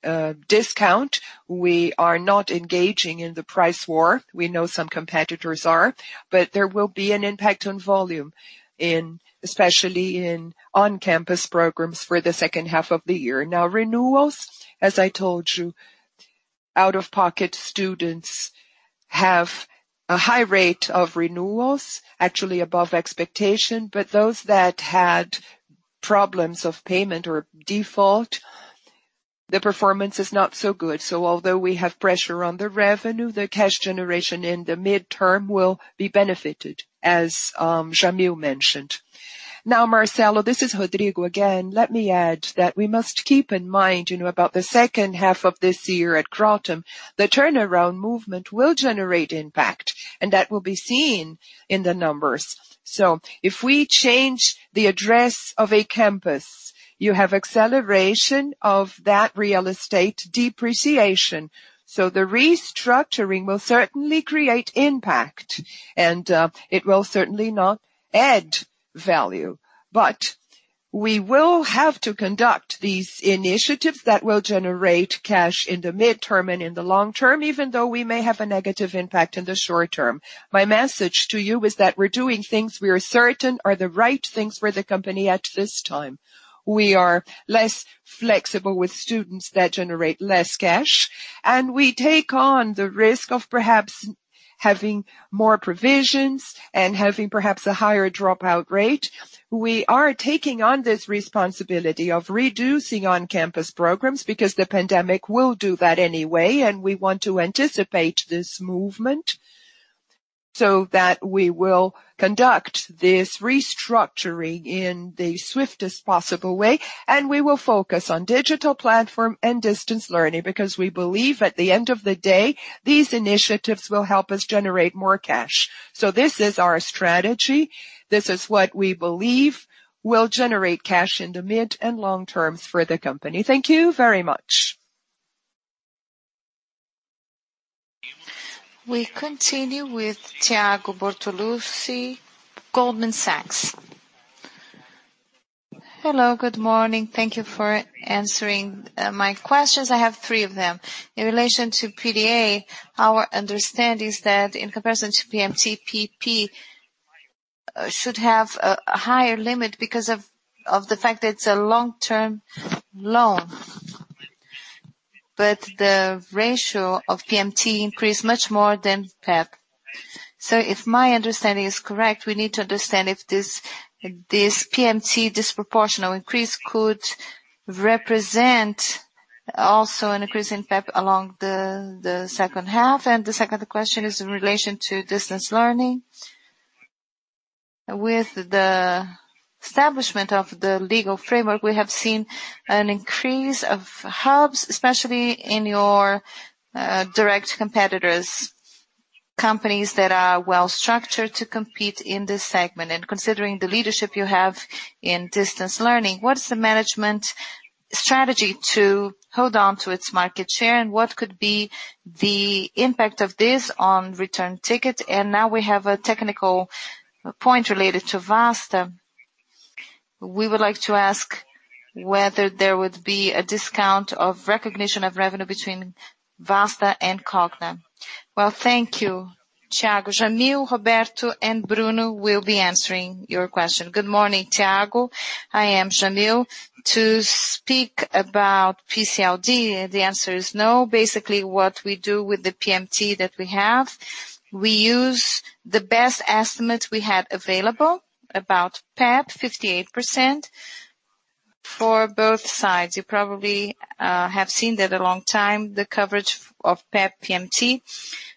discount. We are not engaging in the price war. We know some competitors are. There will be an impact on volume, especially in on-campus programs for the second half of the year. Renewals, as I told you, out-of-pocket students have a high rate of renewals, actually above expectation. Those that had problems of payment or default, the performance is not so good. Although we have pressure on the revenue, the cash generation in the midterm will be benefited, as Jamil mentioned. Marcelo, this is Rodrigo again. Let me add that we must keep in mind about the second half of this year at Kroton. The turnaround movement will generate impact, and that will be seen in the numbers. If we change the address of a campus, you have acceleration of that real estate depreciation. The restructuring will certainly create impact, and it will certainly not add value. We will have to conduct these initiatives that will generate cash in the midterm and in the long term, even though we may have a negative impact in the short term. My message to you is that we're doing things we are certain are the right things for the company at this time. We are less flexible with students that generate less cash, and we take on the risk of perhaps having more provisions and having perhaps a higher dropout rate. We are taking on this responsibility of reducing on-campus programs because the pandemic will do that anyway, and we want to anticipate this movement so that we will conduct this restructuring in the swiftest possible way. We will focus on digital platform and distance learning because we believe at the end of the day, these initiatives will help us generate more cash. This is our strategy. This is what we believe will generate cash in the mid and long term for the company. Thank you very much. We continue with Thiago Bortoluci, Goldman Sachs. Hello. Good morning. Thank you for answering my questions. I have three of them. In relation to PDA, our understanding is that in comparison to PMT, PEP should have a higher limit because of the fact that it's a long-term loan. The ratio of PMT increased much more than PEP. If my understanding is correct, we need to understand if this PMT disproportional increase could represent also an increase in PEP along the second half. The second question is in relation to distance learning. With the establishment of the legal framework, we have seen an increase of hubs, especially in your direct competitors, companies that are well-structured to compete in this segment. Considering the leadership you have in distance learning, what is the management strategy to hold on to its market share, and what could be the impact of this on average ticket? Now we have a technical point related to Vasta. We would like to ask whether there would be a discount of recognition of revenue between Vasta and Cogna. Well, thank you, Thiago. Jamil, Roberto, and Bruno will be answering your question. Good morning, Thiago. I am Jamil. To speak about PCLD, the answer is no. Basically, what we do with the PMT that we have, we use the best estimates we had available about PEP 58% for both sides. You probably have seen that a long time, the coverage of PEP PMT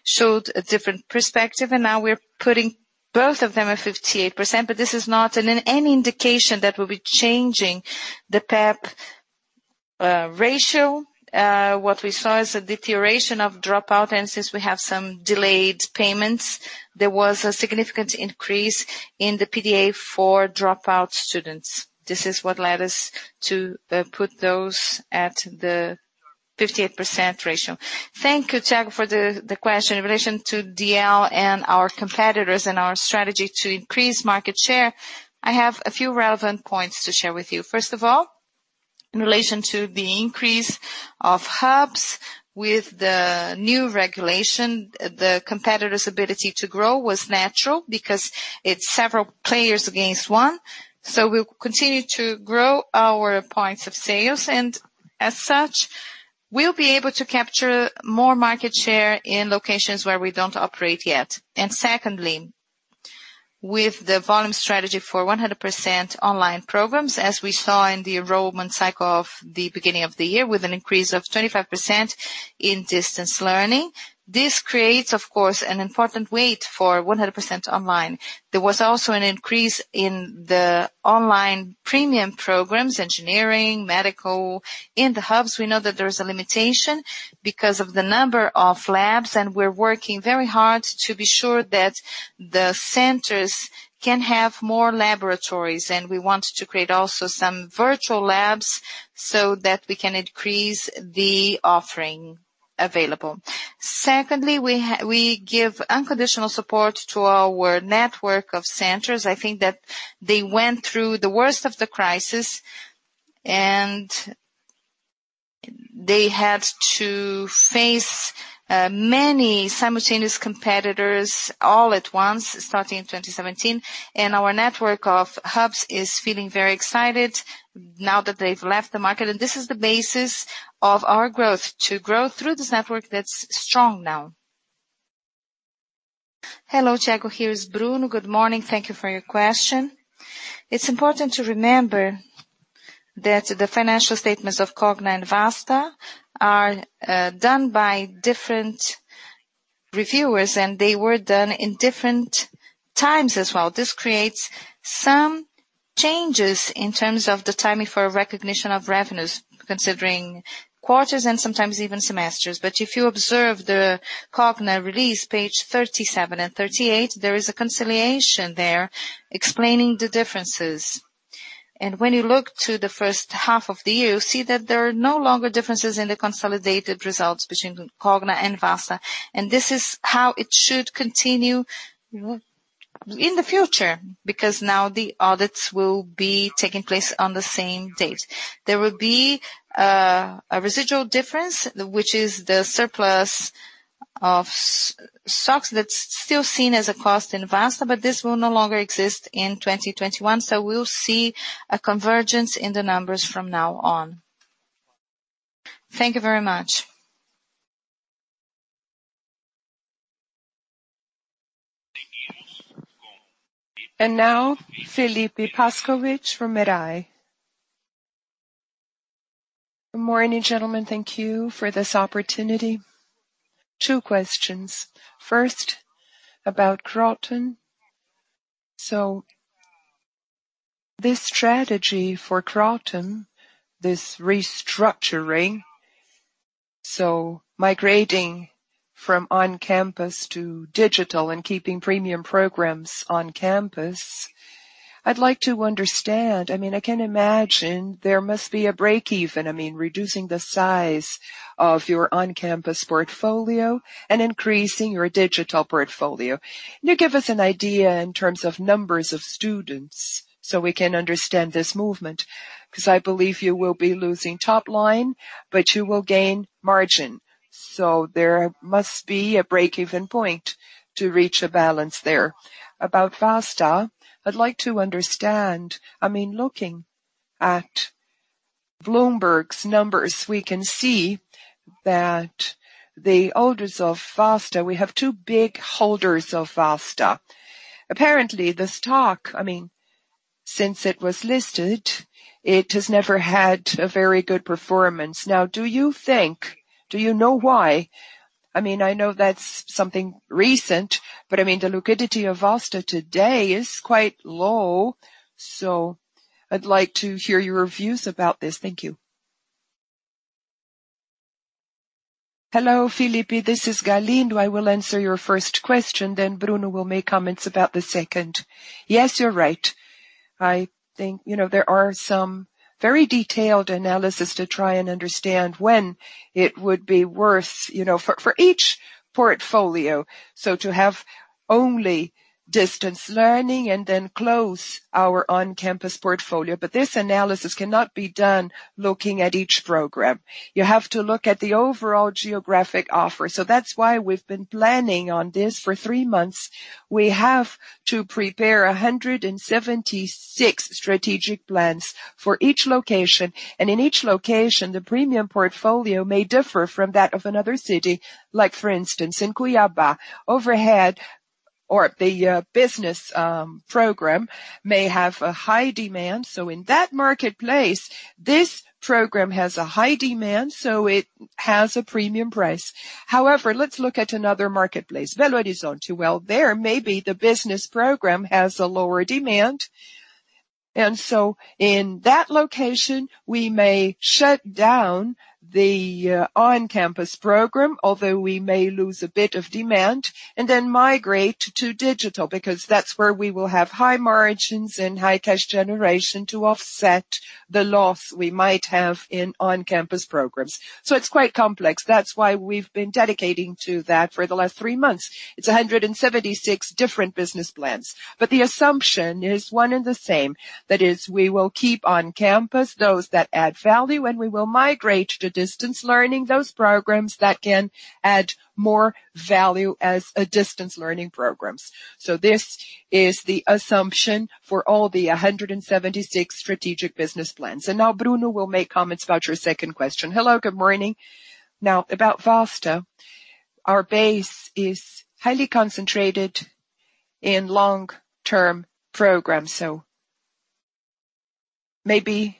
showed a different perspective, and now we're putting both of them at 58%. This is not any indication that we'll be changing the PEP ratio. What we saw is a deterioration of dropout, and since we have some delayed payments, there was a significant increase in the PDA for dropout students. This is what led us to put those at the 58% ratio. Thank you, Thiago, for the question. In relation to DL and our competitors and our strategy to increase market share, I have a few relevant points to share with you. First of all, in relation to the increase of hubs with the new regulation, the competitor's ability to grow was natural because it's several players against one. We'll continue to grow our points of sales, and as such, we'll be able to capture more market share in locations where we don't operate yet. Secondly, with the volume strategy for 100% online programs, as we saw in the enrollment cycle of the beginning of the year with an increase of 25% in distance learning. This creates, of course, an important weight for 100% online. There was also an increase in the online premium programs, engineering, medical. In the hubs, we know that there is a limitation because of the number of labs, and we're working very hard to be sure that the centers can have more laboratories. We want to create also some virtual labs so that we can increase the offering available. Secondly, we give unconditional support to our network of centers. I think that they went through the worst of the crisis, and they had to face many simultaneous competitors all at once, starting in 2017. Our network of hubs is feeling very excited now that they've left the market. This is the basis of our growth, to grow through this network that's strong now. Hello, Thiago. Here is Bruno. Good morning. Thank you for your question. It's important to remember that the financial statements of Cogna and Vasta are done by different reviewers, and they were done in different times as well. This creates some changes in terms of the timing for recognition of revenues, considering quarters and sometimes even semesters. If you observe the Cogna release, page 37 and 38, there is a reconciliation there explaining the differences. When you look to the first half of the year, you see that there are no longer differences in the consolidated results between Cogna and Vasta. This is how it should continue in the future, because now the audits will be taking place on the same date. There will be a residual difference, which is the surplus of stocks that is still seen as a cost in Vasta, but this will no longer exist in 2021. We will see a convergence in the numbers from now on. Thank you very much. Now Felipe Pascowitch from Mirae Asset Global Investments. Good morning, gentlemen. Thank you for this opportunity. Two questions. First, about Kroton. This strategy for Kroton, this restructuring, migrating from on-campus to digital and keeping premium programs on campus, I'd like to understand. I can imagine there must be a break-even, reducing the size of your on-campus portfolio and increasing your digital portfolio. Can you give us an idea in terms of numbers of students so we can understand this movement? I believe you will be losing top line, but you will gain margin. There must be a break-even point to reach a balance there. About Vasta, I'd like to understand, looking at Bloomberg's numbers, we can see that the holders of Vasta, we have two big holders of Vasta. Apparently, the stock, since it was listed, it has never had a very good performance. Now, do you know why? I know that's something recent, but the liquidity of Vasta today is quite low. I'd like to hear your views about this. Thank you. Hello, Felipe. This is Galindo. I will answer your first question, then Bruno will make comments about the second. Yes, you're right. There are some very detailed analysis to try and understand when it would be worth for each portfolio. To have only distance learning and then close our on-campus portfolio. This analysis cannot be done looking at each program. You have to look at the overall geographic offer. That's why we've been planning on this for three months. We have to prepare 176 strategic plans for each location, and in each location, the premium portfolio may differ from that of another city. Like, for instance, in Cuiabá, the business program may have a high demand. In that marketplace, this program has a high demand, so it has a premium price. However, let's look at another marketplace. Belo Horizonte. Well, there maybe the business program has a lower demand. In that location, we may shut down the on-campus program, although we may lose a bit of demand, then migrate to digital because that's where we will have high margins and high cash generation to offset the loss we might have in on-campus programs. It's quite complex. That's why we've been dedicating to that for the last three months. It's 176 different business plans. The assumption is one and the same. That is, we will keep on campus those that add value, and we will migrate to distance learning those programs that can add more value as distance learning programs. This is the assumption for all the 176 strategic business plans. Now Bruno will make comments about your second question. Hello, good morning. Now, about Vasta. Our base is highly concentrated in long-term programs. Maybe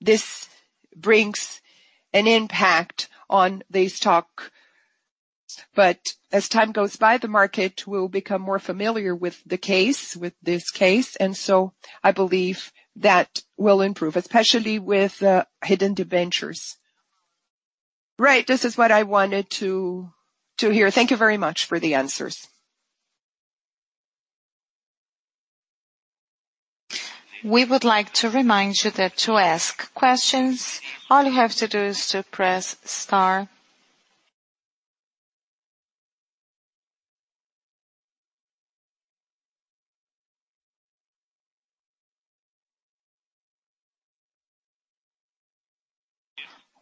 this brings an impact on the stock. As time goes by, the market will become more familiar with this case. I believe that will improve, especially with uncertain. Right. This is what I wanted to hear. Thank you very much for the answers. We would like to remind you that to ask questions, all you have to do is to press star.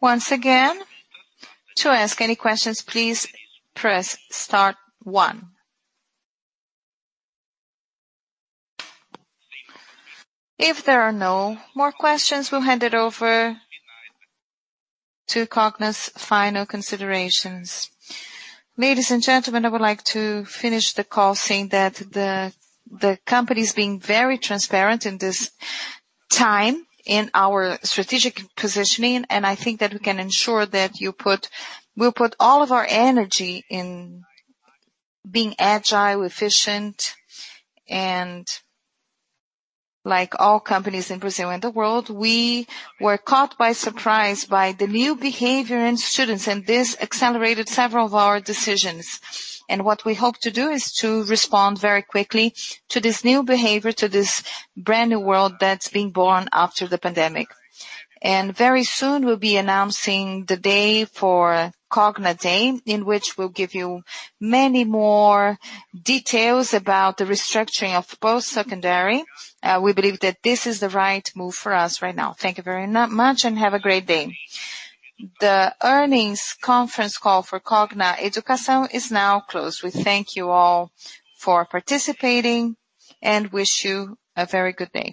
Once again, to ask any questions, please press star one. If there are no more questions, we'll hand it over to Cogna's final considerations. Ladies and gentlemen, I would like to finish the call saying that the company is being very transparent in this time in our strategic positioning. I think that we can ensure that we'll put all of our energy in being agile, efficient, and like all companies in Brazil and the world, we were caught by surprise by the new behavior in students, and this accelerated several of our decisions. What we hope to do is to respond very quickly to this new behavior, to this brand new world that's being born after the pandemic. Very soon, we'll be announcing the day for Cogna Day, in which we'll give you many more details about the restructuring of post-secondary. We believe that this is the right move for us right now. Thank you very much and have a great day. The earnings conference call for Cogna Educação is now closed. We thank you all for participating and wish you a very good day.